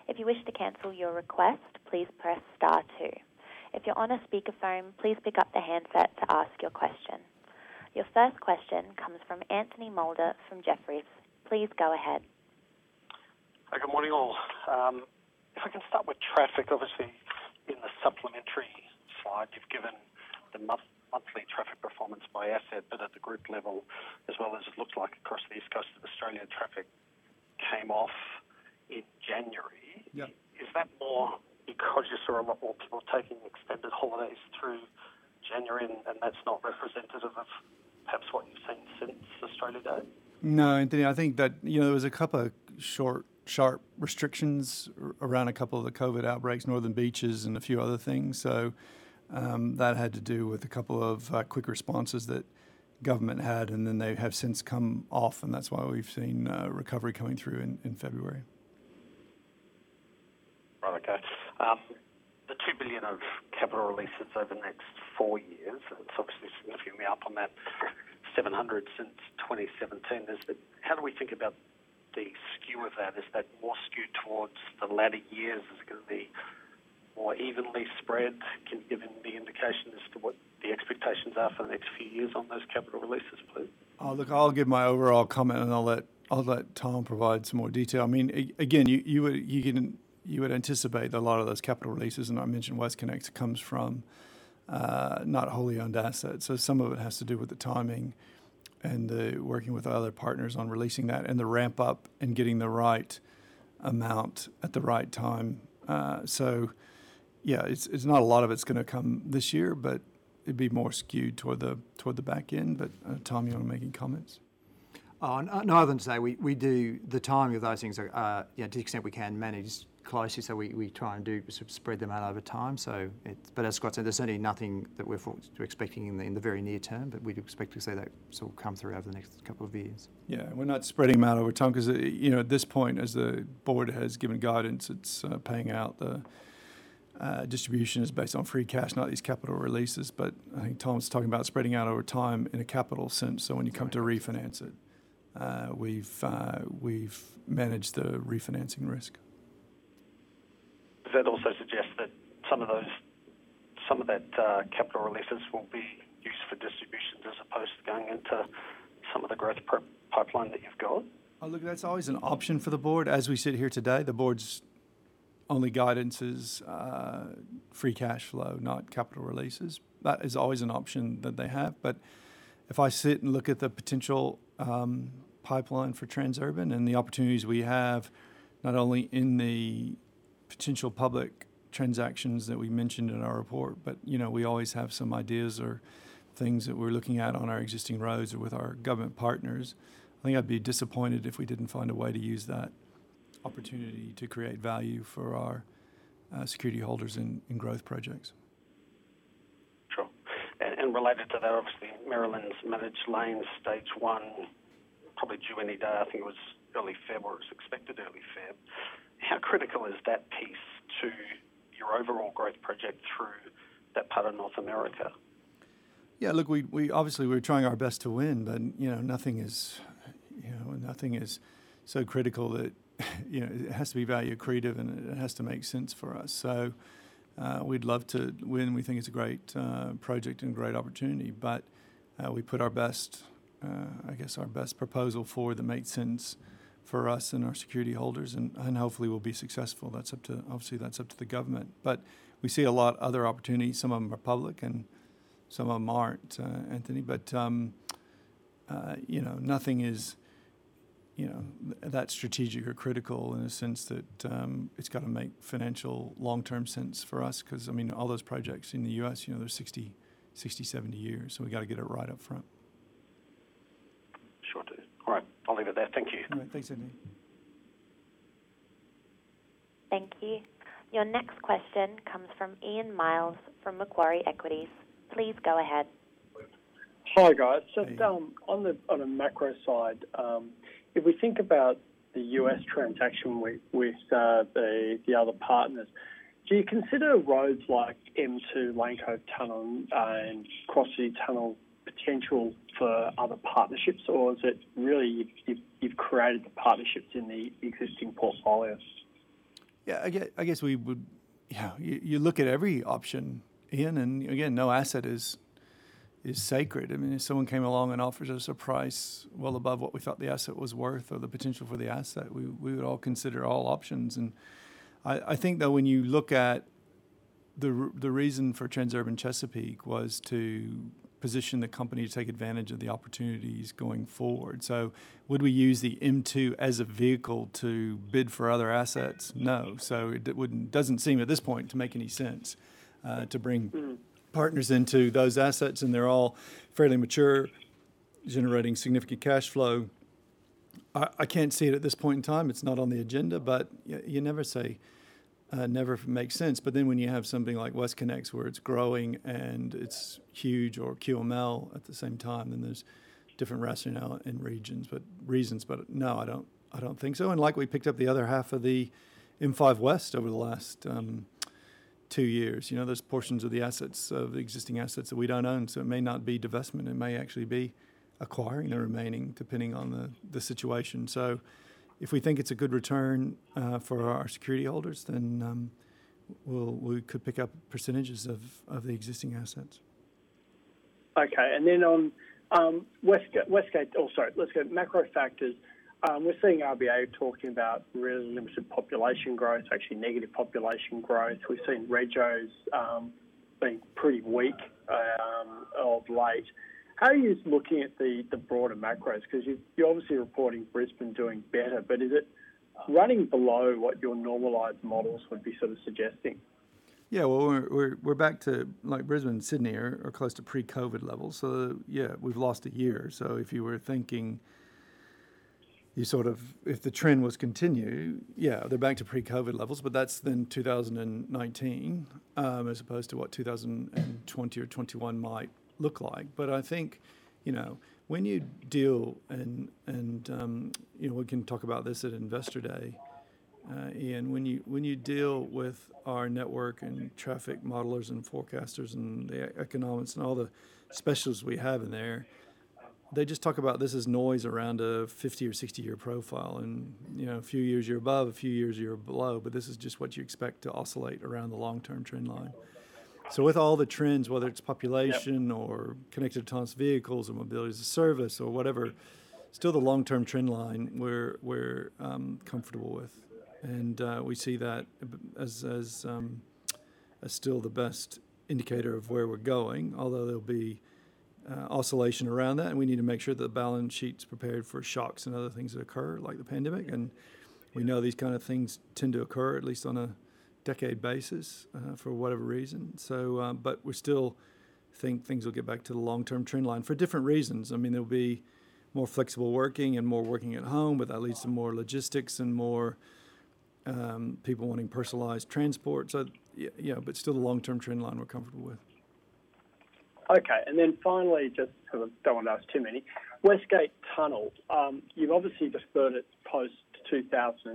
If you wish to cancel your request, please press star two. If you're on a speakerphone, please pick up the handset to ask your question. Your first question comes from Anthony Moulder from Jefferies. Please go ahead. Hi, good morning, all. If I can start with traffic, obviously in the supplementary slide, you've given the monthly traffic performance by asset, but at the group level, as well as it looks like across the east coast of Australia, traffic came off in January. Yeah. Is that more because you saw a lot more people taking extended holidays through January and that's not representative of perhaps what you've seen since Australia Day? No, Anthony, I think that there was a couple of short, sharp restrictions around a couple of the COVID outbreaks, Northern Beaches and a few other things. That had to do with a couple of quick responses that government had, and then they have since come off, and that's why we've seen recovery coming through in February. Right, okay. The 2 billion of capital releases over the next four years, it's obviously significantly up on that 700 million since 2017. How do we think about the skew of that? Is that more skewed towards the latter years? Is it going to be more evenly spread? Can you give any indication as to what the expectations are for the next few years on those capital releases, please? Look, I'll give my overall comment and I'll let Tom provide some more detail. You would anticipate a lot of those capital releases, and I mentioned WestConnex, comes from not wholly owned assets. Some of it has to do with the timing and the working with other partners on releasing that and the ramp up and getting the right amount at the right time. Yeah, not a lot of it's going to come this year, but it'd be more skewed toward the back end. Tom, you want to make any comments? No other than to say we do the timing of those things to the extent we can manage closely. We try and spread them out over time. As Scott said, there's certainly nothing that we're expecting in the very near term, but we'd expect to see that come through over the next couple of years. Yeah. We're not spreading them out over time because at this point, as the board has given guidance, it's paying out the distribution is based on free cash, not these capital releases. I think Tom's talking about spreading out over time in a capital sense. When you come to refinance it, we've managed the refinancing risk. Does that also suggest that some of that capital releases will be used for distributions as opposed to going into some of the growth pipeline that you've got? Look, that's always an option for the board. As we sit here today, the board's only guidance is free cash flow, not capital releases. That is always an option that they have. If I sit and look at the potential pipeline for Transurban and the opportunities we have, not only in the potential public transactions that we mentioned in our report, but we always have some ideas or things that we're looking at on our existing roads or with our government partners. I think I'd be disappointed if we didn't find a way to use that opportunity to create value for our security holders in growth projects. Sure. Related to that, obviously, Maryland's Managed Lane Stage 1 probably due any day. I think it was early February or it was expected early February. How critical is that piece to your overall growth project through that part of North America? Yeah, look, obviously we're trying our best to win, but nothing is so critical that it has to be value accretive and it has to make sense for us. We'd love to win. We think it's a great project and a great opportunity. We put our best proposal forward that made sense for us and our security holders, and hopefully we'll be successful. Obviously that's up to the government. We see a lot other opportunities. Some of them are public and some of them aren't, Anthony. Nothing is that strategic or critical in a sense that it's got to make financial long-term sense for us, because all those projects in the U.S., they're 60, 70 years, so we've got to get it right up front. Sure do. All right. I'll leave it there. Thank you. All right. Thanks, Anthony. Thank you. Your next question comes from Ian Myles from Macquarie Equities. Please go ahead. Hi, guys. Hey. Just on the macro side, if we think about the U.S. transaction with the other partners, do you consider roads like M2, Lane Cove Tunnel, and Cross City Tunnel potential for other partnerships, or is it really you've created the partnerships in the existing portfolios? I guess you look at every option, Ian, again, no asset is sacred. If someone came along and offered us a price well above what we thought the asset was worth or the potential for the asset, we would all consider all options. I think though when you look at the reason for Transurban Chesapeake was to position the company to take advantage of the opportunities going forward. Would we use the M2 as a vehicle to bid for other assets? No. It doesn't seem at this point to make any sense to bring partners into those assets, and they're all fairly mature, generating significant cash flow. I can't see it at this point in time. It's not on the agenda. You never say never if it makes sense. When you have something like WestConnex where it's growing and it's huge or Transurban Queensland at the same time, then there's different rationale and reasons. No, I don't think so. We picked up the other half of the M5 West over the last two years. There's portions of the existing assets that we don't own. It may not be divestment, it may actually be acquiring the remaining, depending on the situation. If we think it's a good return for our security holders, then we could pick up percentages of the existing assets. Okay. On macro factors, we're seeing RBA talking about really limited population growth, actually negative population growth. We've seen regos being pretty weak of late. How are you looking at the broader macros? You're obviously reporting Brisbane doing better, is it running below what your normalized models would be suggesting? We're back to Brisbane and Sydney are close to pre-COVID levels. We've lost a year. If you were thinking if the trend was continued, yeah, they're back to pre-COVID levels, but that's then 2019, as opposed to what 2020 or '21 might look like. I think when you deal, and we can talk about this at Investor Day, Ian, when you deal with our network and traffic modelers and forecasters and the economics and all the specialists we have in there, they just talk about this as noise around a 50- or 60-year profile. A few years you're above, a few years you're below, but this is just what you expect to oscillate around the long-term trend line. With all the trends, whether it's population or connected autonomous vehicles or mobility as a service or whatever, still the long-term trend line we're comfortable with. We see that as still the best indicator of where we're going. Although there'll be oscillation around that, and we need to make sure that the balance sheet's prepared for shocks and other things that occur, like the pandemic. We know these kind of things tend to occur at least on a decade basis for whatever reason. We're still think things will get back to the long-term trend line for different reasons. There'll be more flexible working and more working at home, but that leads to more logistics and more people wanting personalized transport. Still the long-term trend line we're comfortable with. Okay. Finally, just because I don't want to ask too many. West Gate Tunnel. You've obviously deferred it post-2023,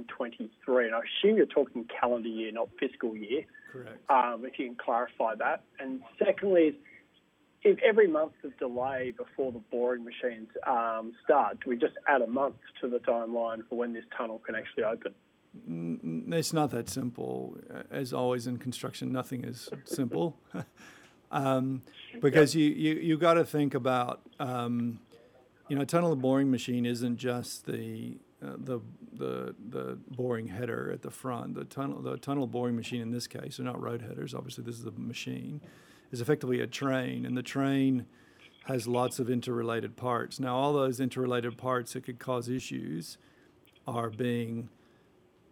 and I assume you're talking calendar year, not fiscal year? Correct. If you can clarify that. Secondly, if every month is delayed before the boring machines start, do we just add a month to the timeline for when this tunnel can actually open? It's not that simple. As always, in construction, nothing is simple. You got to think about a Tunnel Boring Machine isn't just the boring header at the front. The Tunnel Boring Machine, in this case, they're not road headers, obviously, this is a machine, is effectively a train. The train has lots of interrelated parts. All those interrelated parts that could cause issues are being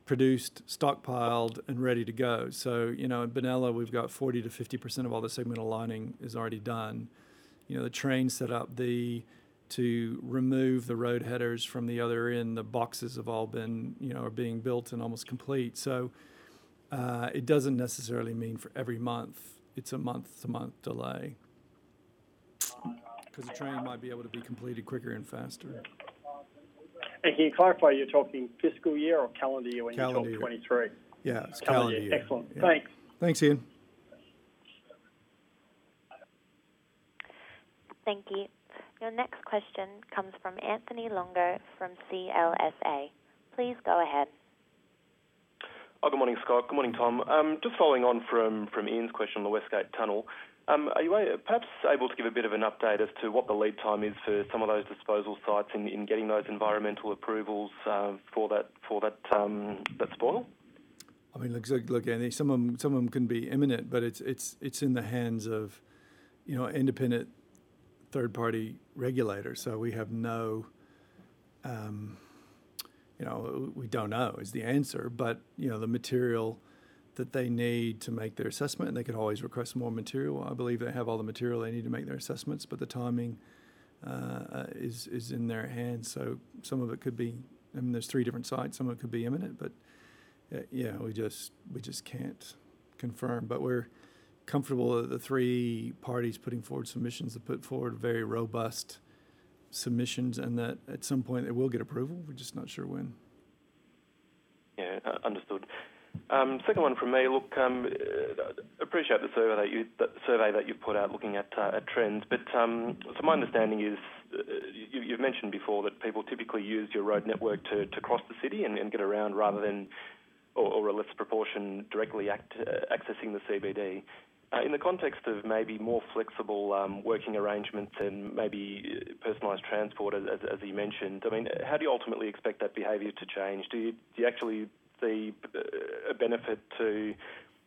produced, stockpiled, and ready to go. In Benalla, we've got 40%-50% of all the segmental lining is already done. The train set up to remove the road headers from the other end. The boxes are being built and almost complete. It doesn't necessarily mean for every month it's a month-to-month delay. The train might be able to be completed quicker and faster. Can you clarify, you're talking fiscal year or calendar year when you- Calendar year ...talk 2023? Yeah, it's calendar year. Calendar year. Excellent. Thanks. Thanks, Ian. Thank you. Your next question comes from Anthony Longo from CLSA. Please go ahead. Good morning, Scott. Good morning, Tom. Just following on from Ian's question on the West Gate Tunnel. Are you perhaps able to give a bit of an update as to what the lead time is for some of those disposal sites in getting those environmental approvals for that spoil? Anthony, some of them can be imminent, but it's in the hands of independent third-party regulators. We don't know is the answer, but the material that they need to make their assessment, and they could always request more material. I believe they have all the material they need to make their assessments, but the timing is in their hands. Some of it could be, there's three different sites, some of it could be imminent, but we just can't confirm. We're comfortable that the three parties putting forward submissions have put forward very robust submissions, and that at some point it will get approval. We're just not sure when. Yeah. Understood. Second one from me. Look, appreciate the survey that you've put out looking at trends. My understanding is, you've mentioned before that people typically use your road network to cross the city and get around rather than, or a less proportion directly accessing the CBD. In the context of maybe more flexible working arrangements and maybe personalized transport, as you mentioned, how do you ultimately expect that behavior to change? Do you actually see a benefit to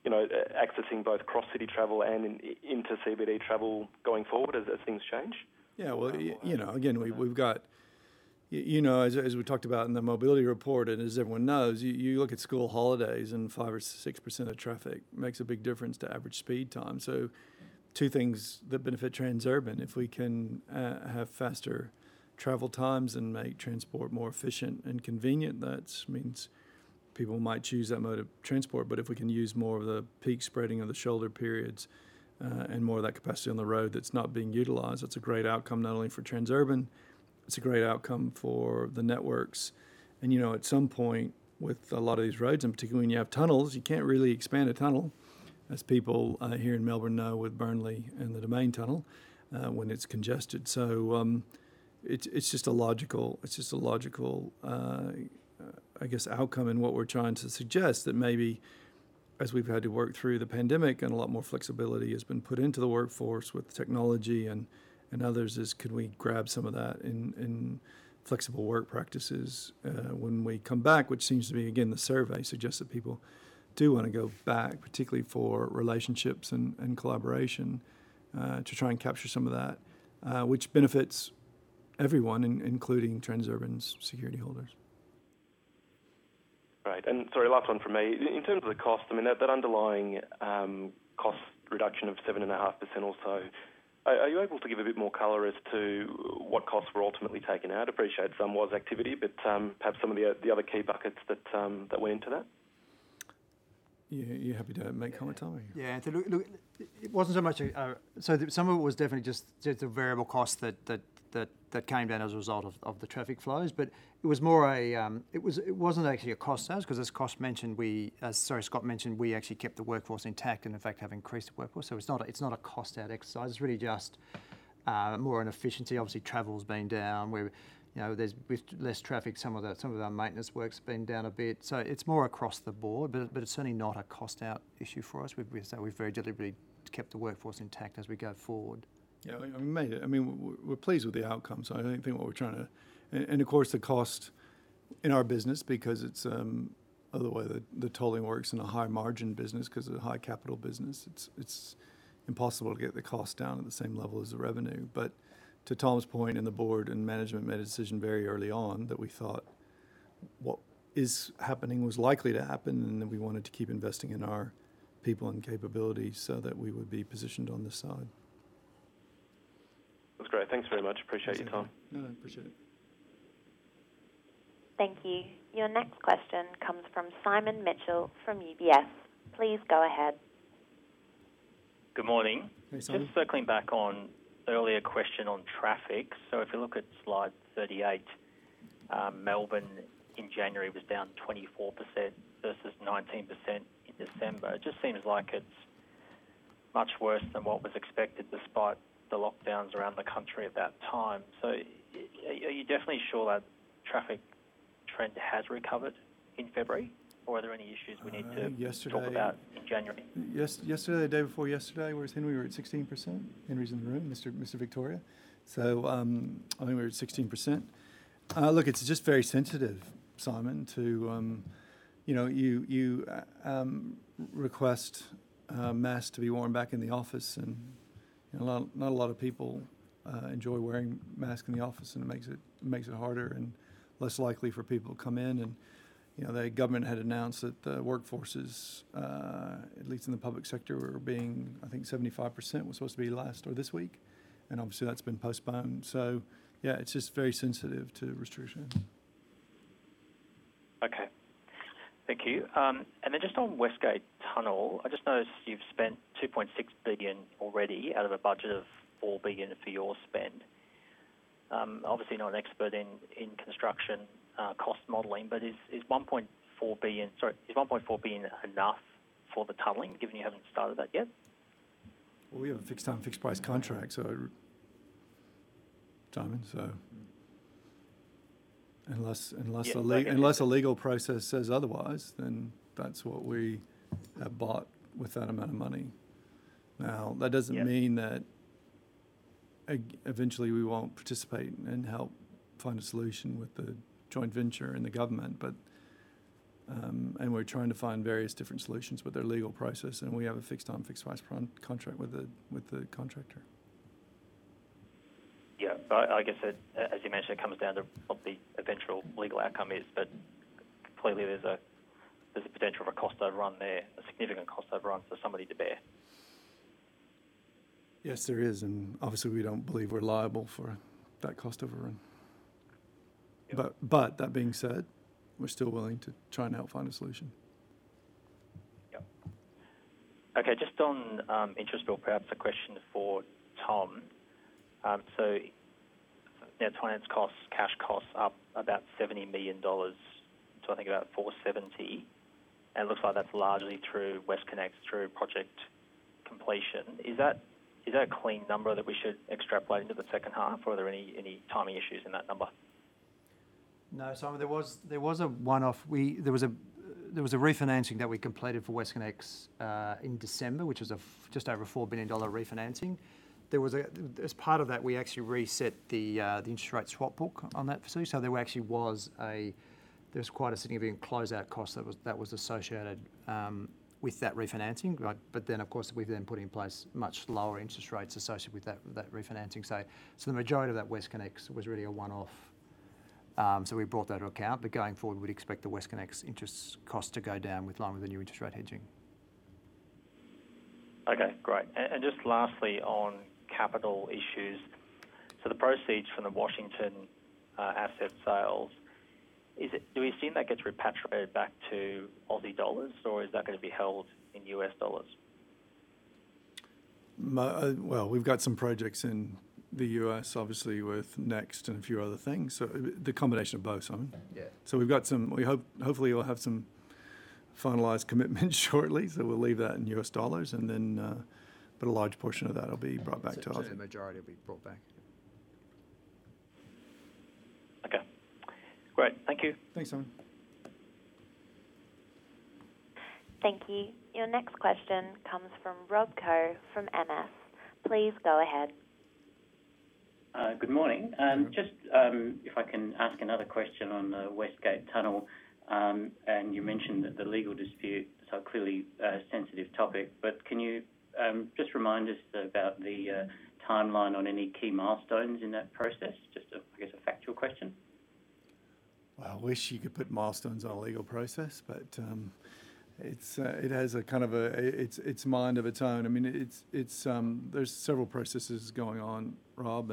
accessing both cross-city travel and into CBD travel going forward as things change? Again, as we talked about in the mobility report and as everyone knows, you look at school holidays, and 5% or 6% of traffic makes a big difference to average speed time. Two things that benefit Transurban, if we can have faster travel times and make transport more efficient and convenient, that means people might choose that mode of transport. If we can use more of the peak spreading of the shoulder periods, and more of that capacity on the road that's not being utilized, it's a great outcome, not only for Transurban, it's a great outcome for the networks. At some point, with a lot of these roads, and particularly when you have tunnels, you can't really expand a tunnel, as people here in Melbourne know with Burnley and the Domain Tunnel, when it's congested. It's just a logical outcome in what we're trying to suggest that maybe as we've had to work through the pandemic and a lot more flexibility has been put into the workforce with technology and others, is could we grab some of that in flexible work practices when we come back, which seems to be, again, the survey suggests that people do want to go back, particularly for relationships and collaboration, to try and capture some of that, which benefits everyone, including Transurban's security holders. Right. Sorry, last one from me. In terms of the cost, that underlying cost reduction of 7.5% or so, are you able to give a bit more color as to what costs were ultimately taken out? Appreciate some was activity, but perhaps some of the other key buckets that went into that. You happy to make comment, Tom? Some of it was definitely just the variable cost that came down as a result of the traffic flows. It wasn't actually a cost to us because as Scott mentioned, we actually kept the workforce intact and, in fact, have increased the workforce. It's not a cost-out exercise. It's really just more an efficiency. Obviously, travel's been down. With less traffic, some of our maintenance work's been down a bit. It's more across the board, but it's certainly not a cost-out issue for us. We very deliberately kept the workforce intact as we go forward. Yeah. We're pleased with the outcome. Of course, the cost in our business because it's the way the tolling works in a high margin business because it's a high capital business, it's impossible to get the cost down at the same level as the revenue. To Tom's point, and the board and management made a decision very early on that we thought what is happening was likely to happen, and then we wanted to keep investing in our people and capabilities so that we would be positioned on the side. That's great. Thanks very much. Appreciate your time. That's okay. No, I appreciate it. Thank you. Your next question comes from Simon Mitchell from UBS. Please go ahead. Good morning. Hey, Simon. Just circling back on earlier question on traffic. If you look at slide 38, Melbourne in January was down 24% versus 19% in December. It just seems like it is much worse than what was expected despite the lockdowns around the country at that time. Are you definitely sure that traffic trend has recovered in February? Are there any issues we need to. Yesterday- ...talk about in January? Yesterday, the day before yesterday, where Henry, we were at 16%. Henry's in the room, Mr. Victoria. I think we were at 16%. Look, it's just very sensitive, Simon, to request masks to be worn back in the office, and not a lot of people enjoy wearing masks in the office, and it makes it harder and less likely for people to come in. The government had announced that the workforces, at least in the public sector, were being, I think 75% was supposed to be last or this week, and obviously that's been postponed. Yeah, it's just very sensitive to restrictions. Okay. Thank you. Just on West Gate Tunnel, I just noticed you've spent 2.6 billion already out of a budget of 4 billion for your spend. Obviously not an expert in construction cost modeling, is 1.4 billion enough for the tunneling given you haven't started that yet? Well, we have a fixed time, fixed price contract, Simon. Yeah. Okay. ...a legal process says otherwise, then that's what we have bought with that amount of money. That doesn't mean that eventually we won't participate and help find a solution with the joint venture and the government, We're trying to find various different solutions, They're legal process, and we have a fixed time, fixed price contract with the contractor. Yeah. I guess as you mentioned, it comes down to what the eventual legal outcome is. Completely there's a potential of a cost overrun there, a significant cost overrun for somebody to bear. Yes, there is. Obviously we don't believe we're liable for that cost overrun. Yeah. That being said, we're still willing to try and help find a solution. Yep. Okay. Just on interest bill, perhaps a question for Tom. Net finance costs, cash costs up about 70 million dollars, so I think about 470 million, and looks like that's largely through WestConnex through project completion. Is that a clean number that we should extrapolate into the second half, or are there any timing issues in that number? No, Simon, there was a one-off. There was a refinancing that we completed for WestConnex in December, which was just over an 4 billion dollar refinancing. As part of that, we actually reset the interest rate swap book on that facility. There actually was quite a significant closeout cost that was associated with that refinancing. Of course, we then put in place much lower interest rates associated with that refinancing. The majority of that WestConnex was really a one-off. We brought that to account, but going forward, we'd expect the WestConnex interest cost to go down with longer than your interest rate hedging. Okay. Great. Just lastly on capital issues. The proceeds from the Washington asset sales, do we assume that gets repatriated back to Australian dollars, or is that going to be held in U.S. dollars? Well, we've got some projects in the U.S. obviously with NEXT and a few other things, so the combination of both, Simon. Yeah. Hopefully we'll have some finalized commitment shortly, so we'll leave that in US dollars. A large portion of that will be brought back to AUD. The majority will be brought back. Okay. Great. Thank you. Thanks, Simon. Thank you. Your next question comes from Rob Koh from MS. Please go ahead. Good morning. Morning. If I can ask another question on the West Gate Tunnel, you mentioned that the legal dispute is a clearly sensitive topic, can you just remind us about the timeline on any key milestones in that process? I guess, a factual question. I wish you could put milestones on a legal process, it has a kind of a mind of its own. There's several processes going on, Rob,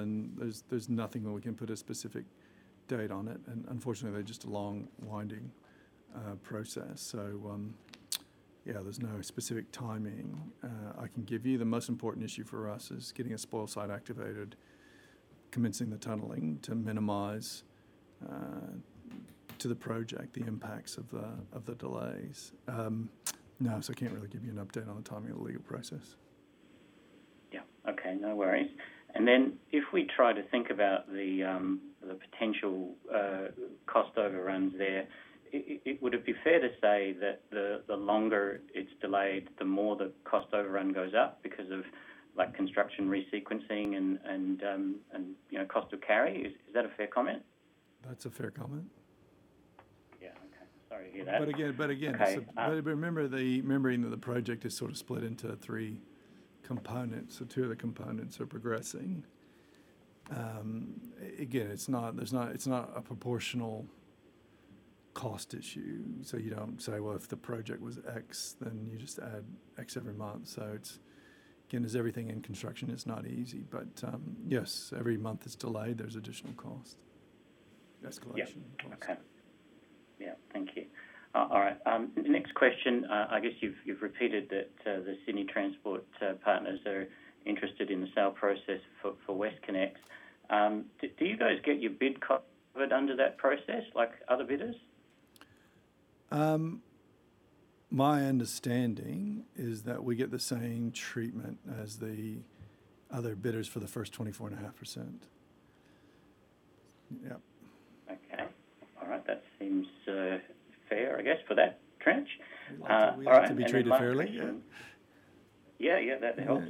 there's nothing where we can put a specific date on it, unfortunately, they're just a long, winding process. Yeah, there's no specific timing I can give you. The most important issue for us is getting a spoil site activated, commencing the tunneling to minimize to the project the impacts of the delays. No, can't really give you an update on the timing of the legal process. Yeah. Okay. No worries. If we try to think about the potential cost overruns there, would it be fair to say that the longer it's delayed, the more the cost overrun goes up because of construction resequencing and cost of carry? Is that a fair comment? That's a fair comment. Yeah. Okay. Sorry to hear that. But again- Okay Remembering that the project is sort of split into three components, two of the components are progressing. Again, it's not a proportional cost issue. You don't say, well, if the project was X, then you just add X every month. Again, as everything in construction, it's not easy, but yes, every month it's delayed, there's additional cost. Escalation costs. Yeah. Okay. Yeah. Thank you. All right. Next question. I guess you've repeated that the Sydney Transport Partners are interested in the sale process for WestConnex. Do you guys get your bid covered under that process like other bidders? My understanding is that we get the same treatment as the other bidders for the first 24.5%. Yep. Okay. All right. That seems fair, I guess, for that tranche. We like to be treated fairly. Yeah. That helps.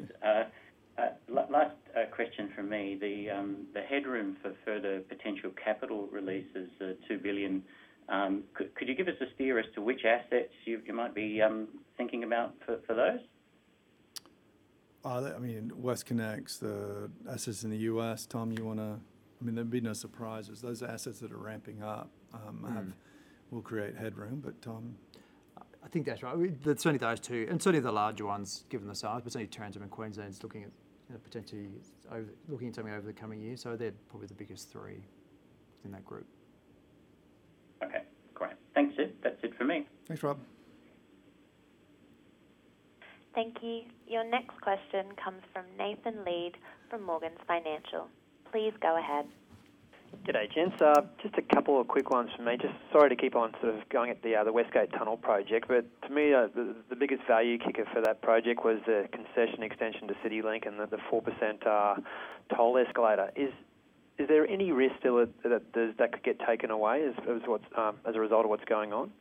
Last question from me. The headroom for further potential capital releases, the 2 billion, could you give us a steer as to which assets you might be thinking about for those? WestConnex, the assets in the U.S. Tom, you want to? There'd be no surprises. Those are assets that are ramping up, will create headroom. Tom? I think that's right. It's only those two, and certainly the larger ones, given the size. Certainly Transurban Queensland's looking at potentially something over the coming years. They're probably the biggest three in that group. Okay, great. Thanks, Tom. That's it for me. Thanks, Rob. Thank you. Your next question comes from Nathan Lead from Morgans Financial. Please go ahead. Good day, gents. Just a couple of quick ones from me. Just sorry to keep on sort of going at the West Gate Tunnel project, but to me, the biggest value kicker for that project was the concession extension to CityLink and the 4% toll escalator. Is there any risk still that that could get taken away as a result of what's going on?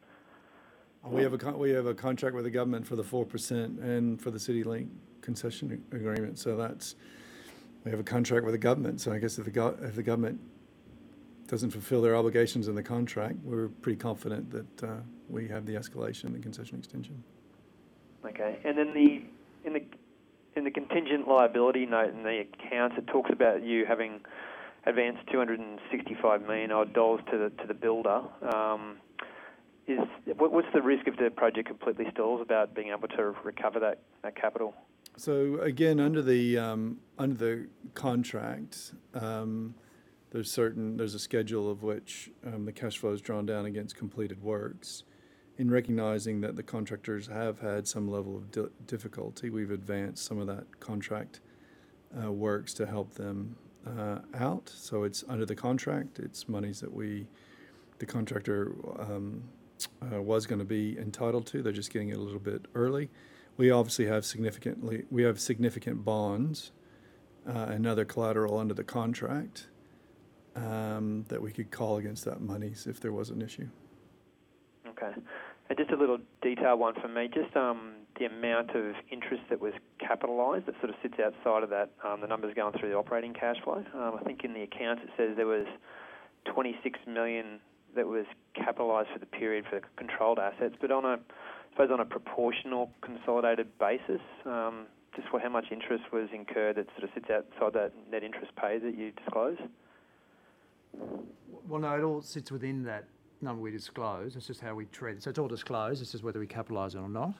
We have a contract with the government for the 4% and for the CityLink concession agreement. We have a contract with the government, so I guess if the government doesn't fulfill their obligations in the contract, we're pretty confident that we have the escalation and concession extension. Okay. Then in the contingent liability note in the accounts, it talks about you having advanced 265 million dollars odd to the builder. What's the risk if the project completely stalls about being able to recover that capital? Again, under the contract, there's a schedule of which the cash flow is drawn down against completed works. In recognizing that the contractors have had some level of difficulty, we've advanced some of that contract works to help them out. It's under the contract. It's monies that the contractor was going to be entitled to. They're just getting it a little bit early. We obviously have significant bonds and other collateral under the contract that we could call against that money if there was an issue. Okay. Just a little detail one from me. Just the amount of interest that was capitalized that sort of sits outside of that, the numbers going through the operating cash flow. I think in the accounts it says there was 26 million that was capitalized for the period for controlled assets. I suppose on a proportional consolidated basis, just for how much interest was incurred that sort of sits outside that net interest paid that you disclosed? No, it all sits within that number we disclosed. It's just how we treat it. It's all disclosed. It's just whether we capitalize it or not.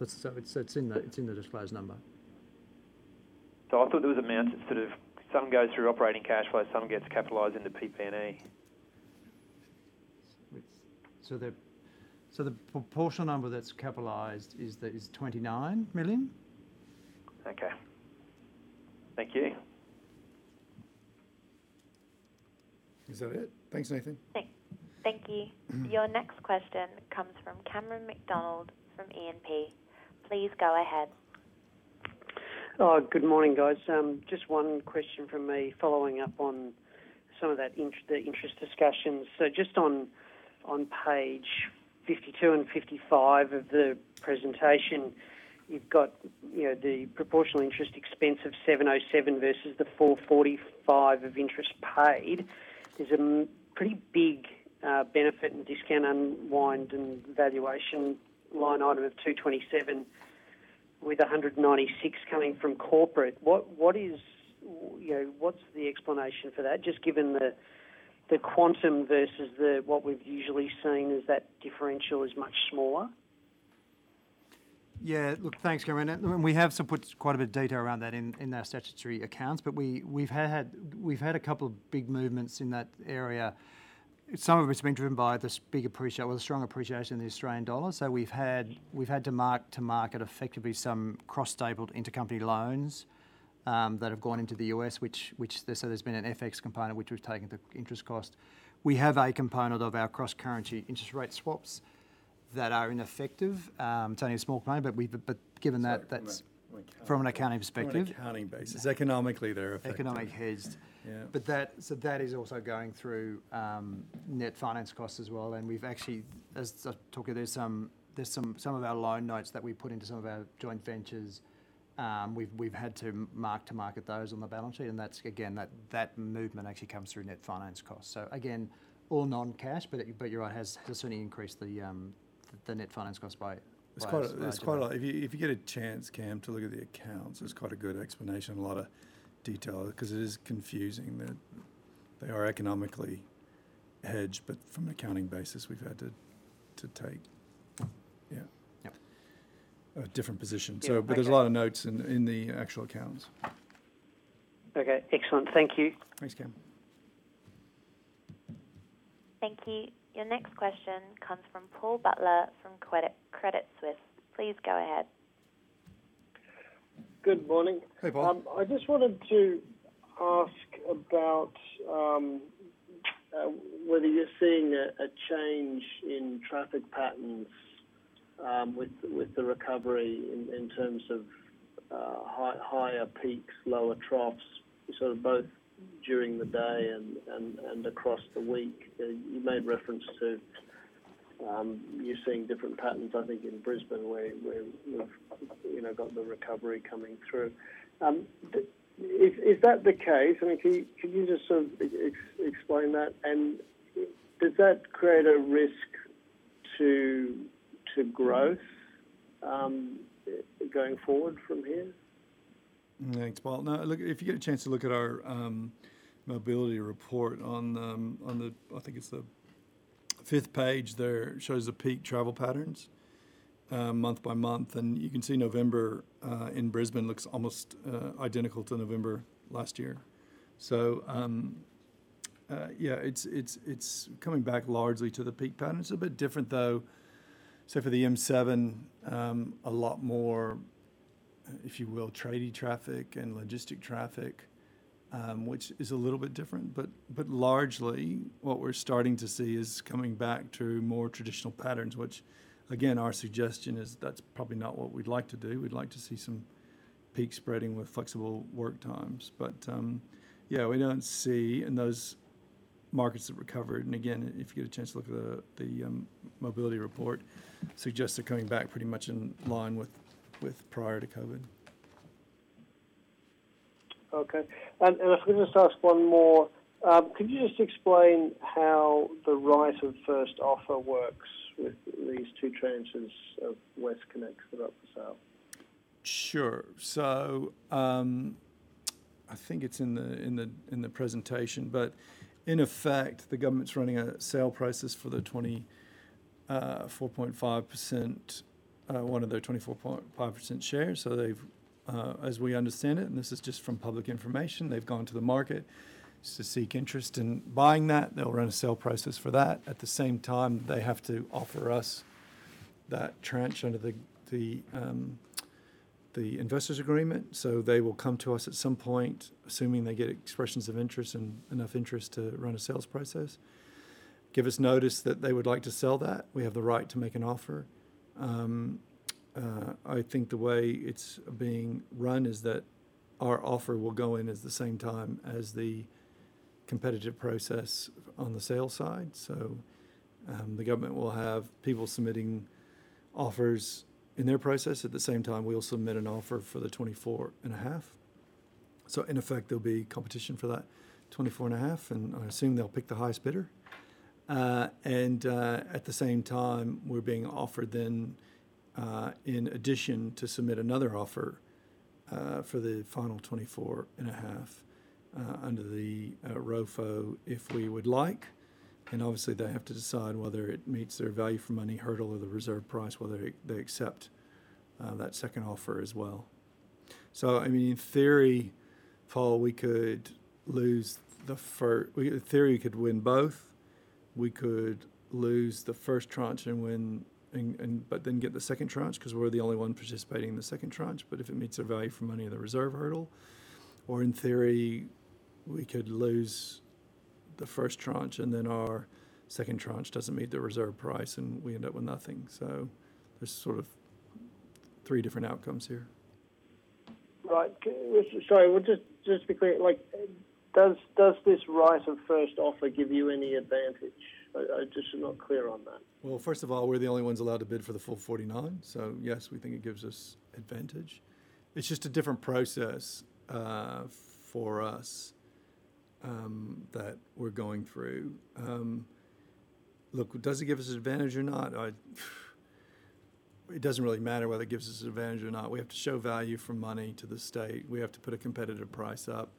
It's in the disclosed number. I thought there was amounts that sort of some goes through operating cash flow, some gets capitalized into PP&E. The proportional number that's capitalized is 29 million. Okay. Thank you. Is that it? Thanks, Nathan. Thank you. Your next question comes from Cameron McDonald from E&P. Please go ahead. Good morning, guys. Just one question from me following up on some of the interest discussions. Just on page 52 and 55 of the presentation, you've got the proportional interest expense of 707 versus the 445 of interest paid. There's a pretty big benefit and discount unwind and valuation line item of 227 with 196 coming from corporate. What's the explanation for that, just given the quantum versus what we've usually seen is that differential is much smaller? Yeah. Look, thanks, Cameron. We have put quite a bit of data around that in our statutory accounts, but we've had a couple of big movements in that area. Some of it's been driven by the strong appreciation of the Australian dollar. We've had to mark to market effectively some cross-stapled intercompany loans that have gone into the U.S., so there's been an FX component which we've taken the interest cost. We have a component of our cross-currency interest rate swaps that are ineffective. It's only a small component, but given that that's- Sorry, from an accounting perspective. ...from an accounting perspective. From an accounting basis. Economically, they're effective. Economic hedged. Yeah. That is also going through net finance costs as well, and we've actually, as I talk of this, some of our loan notes that we put into some of our joint ventures, we've had to mark to market those on the balance sheet, and that's again, that movement actually comes through net finance costs. Again, all non-cash, but you're right, it has certainly increased the The net finance cost. It's quite a lot. If you get a chance, Cam, to look at the accounts, there's quite a good explanation, a lot of detail because it is confusing. They are economically hedged, but from an accounting basis, we've had to take. Yep ...a different position. Yeah. Okay. There's a lot of notes in the actual accounts. Okay, excellent. Thank you. Thanks, Cameron. Thank you. Your next question comes from Paul Butler from Credit Suisse. Please go ahead. Good morning. Hey, Paul. I just wanted to ask about whether you're seeing a change in traffic patterns with the recovery in terms of higher peaks, lower troughs, sort of both during the day and across the week. You made reference to you seeing different patterns, I think, in Brisbane where you've got the recovery coming through. Is that the case? Can you just sort of explain that, and does that create a risk to growth going forward from here? Thanks, Paul. No, look, if you get a chance to look at our mobility report on the, I think it's the fifth page there, shows the peak travel patterns month by month. You can see November in Brisbane looks almost identical to November last year. Yeah. It's coming back largely to the peak pattern. It's a bit different though, say for the M7, a lot more, if you will, tradie traffic and logistic traffic, which is a little bit different. Largely what we're starting to see is coming back to more traditional patterns which, again, our suggestion is that's probably not what we'd like to do. We'd like to see some peak spreading with flexible work times. Yeah, we don't see in those markets that recovered, and again, if you get a chance to look at the mobility report, suggests they're coming back pretty much in line with prior to COVID. Okay. If I can just ask one more. Could you just explain how the right of first offer works with these two tranches of WestConnex without the sale? I think it's in the presentation, but in effect, the government's running a sale process for one of their 24.5% shares. They've, as we understand it, and this is just from public information, they've gone to the market to seek interest in buying that. They'll run a sale process for that. At the same time, they have to offer us that tranche under the investors' agreement. They will come to us at some point, assuming they get expressions of interest and enough interest to run a sales process, give us notice that they would like to sell that. We have the right to make an offer. I think the way it's being run is that our offer will go in as the same time as the competitive process on the sale side. The government will have people submitting offers in their process. At the same time, we'll submit an offer for the 24.5. In effect, there'll be competition for that 24.5, and I assume they'll pick the highest bidder. At the same time, we're being offered then, in addition, to submit another offer for the final 24.5 Under the ROFO if we would like. Obviously they have to decide whether it meets their value for money hurdle or the reserve price, whether they accept that second offer as well. In theory, Paul, in theory, we could win both. We could lose the first tranche and win but then get the second tranche because we're the only one participating in the second tranche if it meets their value for money or the reserve hurdle. In theory, we could lose the first tranche, and then our second tranche doesn't meet the reserve price and we end up with nothing. There's sort of three different outcomes here. Right. Sorry, just to be clear, does this right of first offer give you any advantage? I just am not clear on that. Well, first of all, we're the only ones allowed to bid for the full 49. Yes, we think it gives us advantage. It's just a different process for us that we're going through. Look, does it give us advantage or not? It doesn't really matter whether it gives us advantage or not. We have to show value for money to the state. We have to put a competitive price up.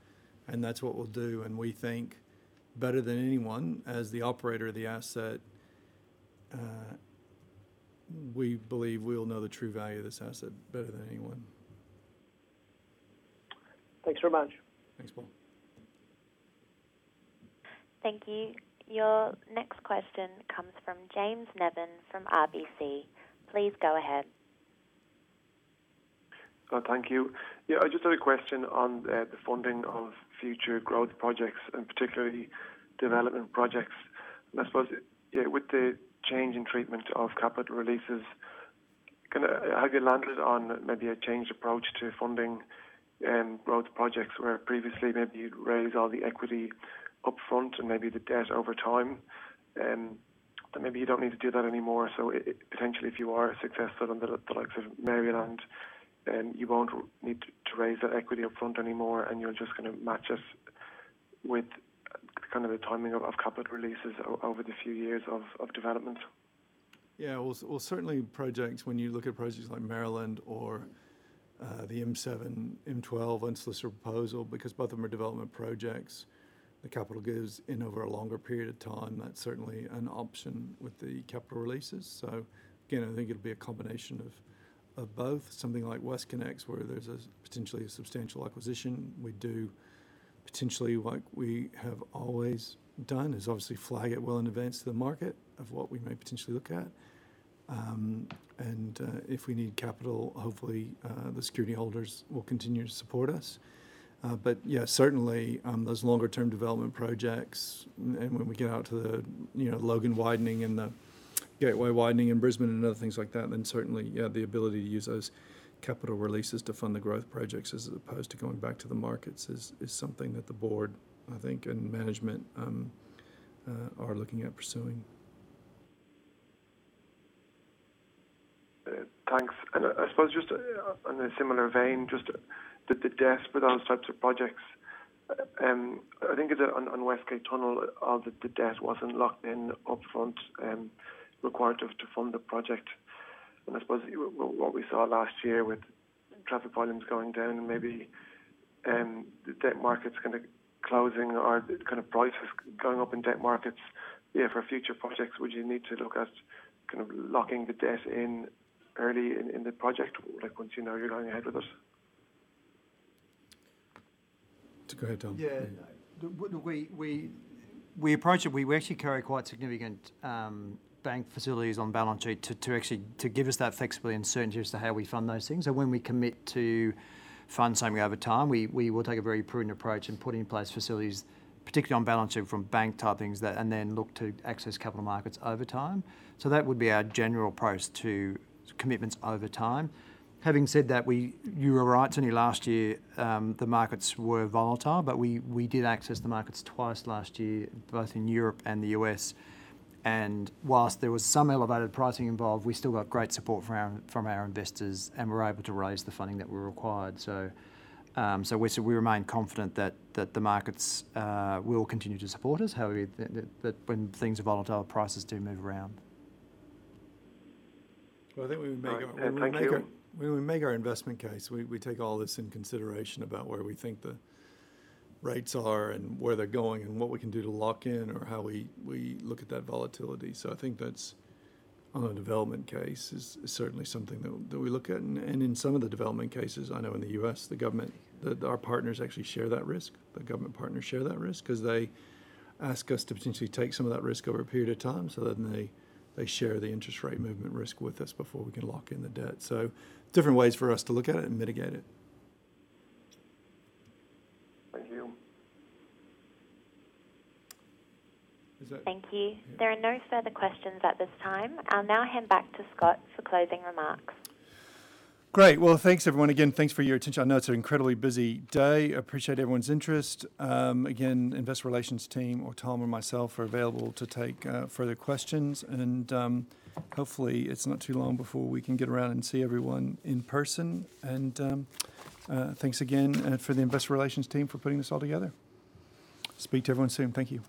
That's what we'll do. We think better than anyone as the operator of the asset, we believe we'll know the true value of this asset better than anyone. Thanks very much. Thanks, Paul. Thank you. Your next question comes from James Nevin from RBC. Please go ahead. Thank you. Yeah, I just had a question on the funding of future growth projects and particularly development projects. I suppose, yeah, with the change in treatment of capital releases, have you landed on maybe a changed approach to funding growth projects where previously maybe you'd raise all the equity upfront and maybe the debt over time? Maybe you don't need to do that anymore. Potentially if you are successful under the likes of Maryland, then you won't need to raise that equity upfront anymore and you're just going to match us with the timing of capital releases over the few years of development? Yeah. Well, certainly when you look at projects like Maryland or the M7, M12, and unsolicited proposal because both of them are development projects. The capital goes in over a longer period of time. That's certainly an option with the capital releases. So, again, I think it'd be a combination of both. Something like WestConnex, where there's a potentially a substantial acquisition, we do potentially like we have always done, is obviously flag it well in advance to the market of what we may potentially look at. And if we need capital, hopefully the security holders will continue to support us. Yeah, certainly, those longer-term development projects, and when we get out to the Logan widening and the Gateway widening in Brisbane and other things like that, then certainly, yeah, the ability to use those capital releases to fund the growth projects as opposed to going back to the markets is something that the board, I think, and management are looking at pursuing. Thanks. I suppose just in a similar vein, just the debt with those types of projects. I think on West Gate Tunnel, all the debt wasn't locked in upfront, required to fund the project. I suppose what we saw last year with traffic volumes going down and maybe the debt markets kind of closing or the prices going up in debt markets, for future projects, would you need to look at locking the debt in early in the project, once you know you're going ahead with it? Go ahead, Tom. Yeah. We approach it, we actually carry quite significant bank facilities on the balance sheet to give us that flexibility and certainty as to how we fund those things. When we commit to fund something over time, we will take a very prudent approach and put in place facilities, particularly on the balance sheet from bank-type things, and then look to access capital markets over time. That would be our general approach to commitments over time. Having said that, you were right, Tony, last year, the markets were volatile, but we did access the markets twice last year, both in Europe and the U.S. Whilst there was some elevated pricing involved, we still got great support from our investors, and were able to raise the funding that we required. We remain confident that the markets will continue to support us. However, when things are volatile, prices do move around. Well, I think when we make our-. Right. Thank you. When we make our investment case, we take all this into consideration about where we think the rates are and where they're going and what we can do to lock in or how we look at that volatility. I think that's on a development case is certainly something that we look at. And in some of the development cases, I know in the U.S., our partners actually share that risk. The government partners share that risk because they ask us to potentially take some of that risk over a period of time so then they share the interest rate movement risk with us before we can lock in the debt. Different ways for us to look at it and mitigate it. Thank you. Is that? Thank you. There are no further questions at this time. I will now hand back to Scott for closing remarks. Great. Well, thanks, everyone. Again, thanks for your attention. I know it's an incredibly busy day. Appreciate everyone's interest. Again, investor relations team or Tom or myself are available to take further questions. Hopefully it's not too long before we can get around and see everyone in person. Thanks again for the investor relations team for putting this all together. Speak to everyone soon. Thank you.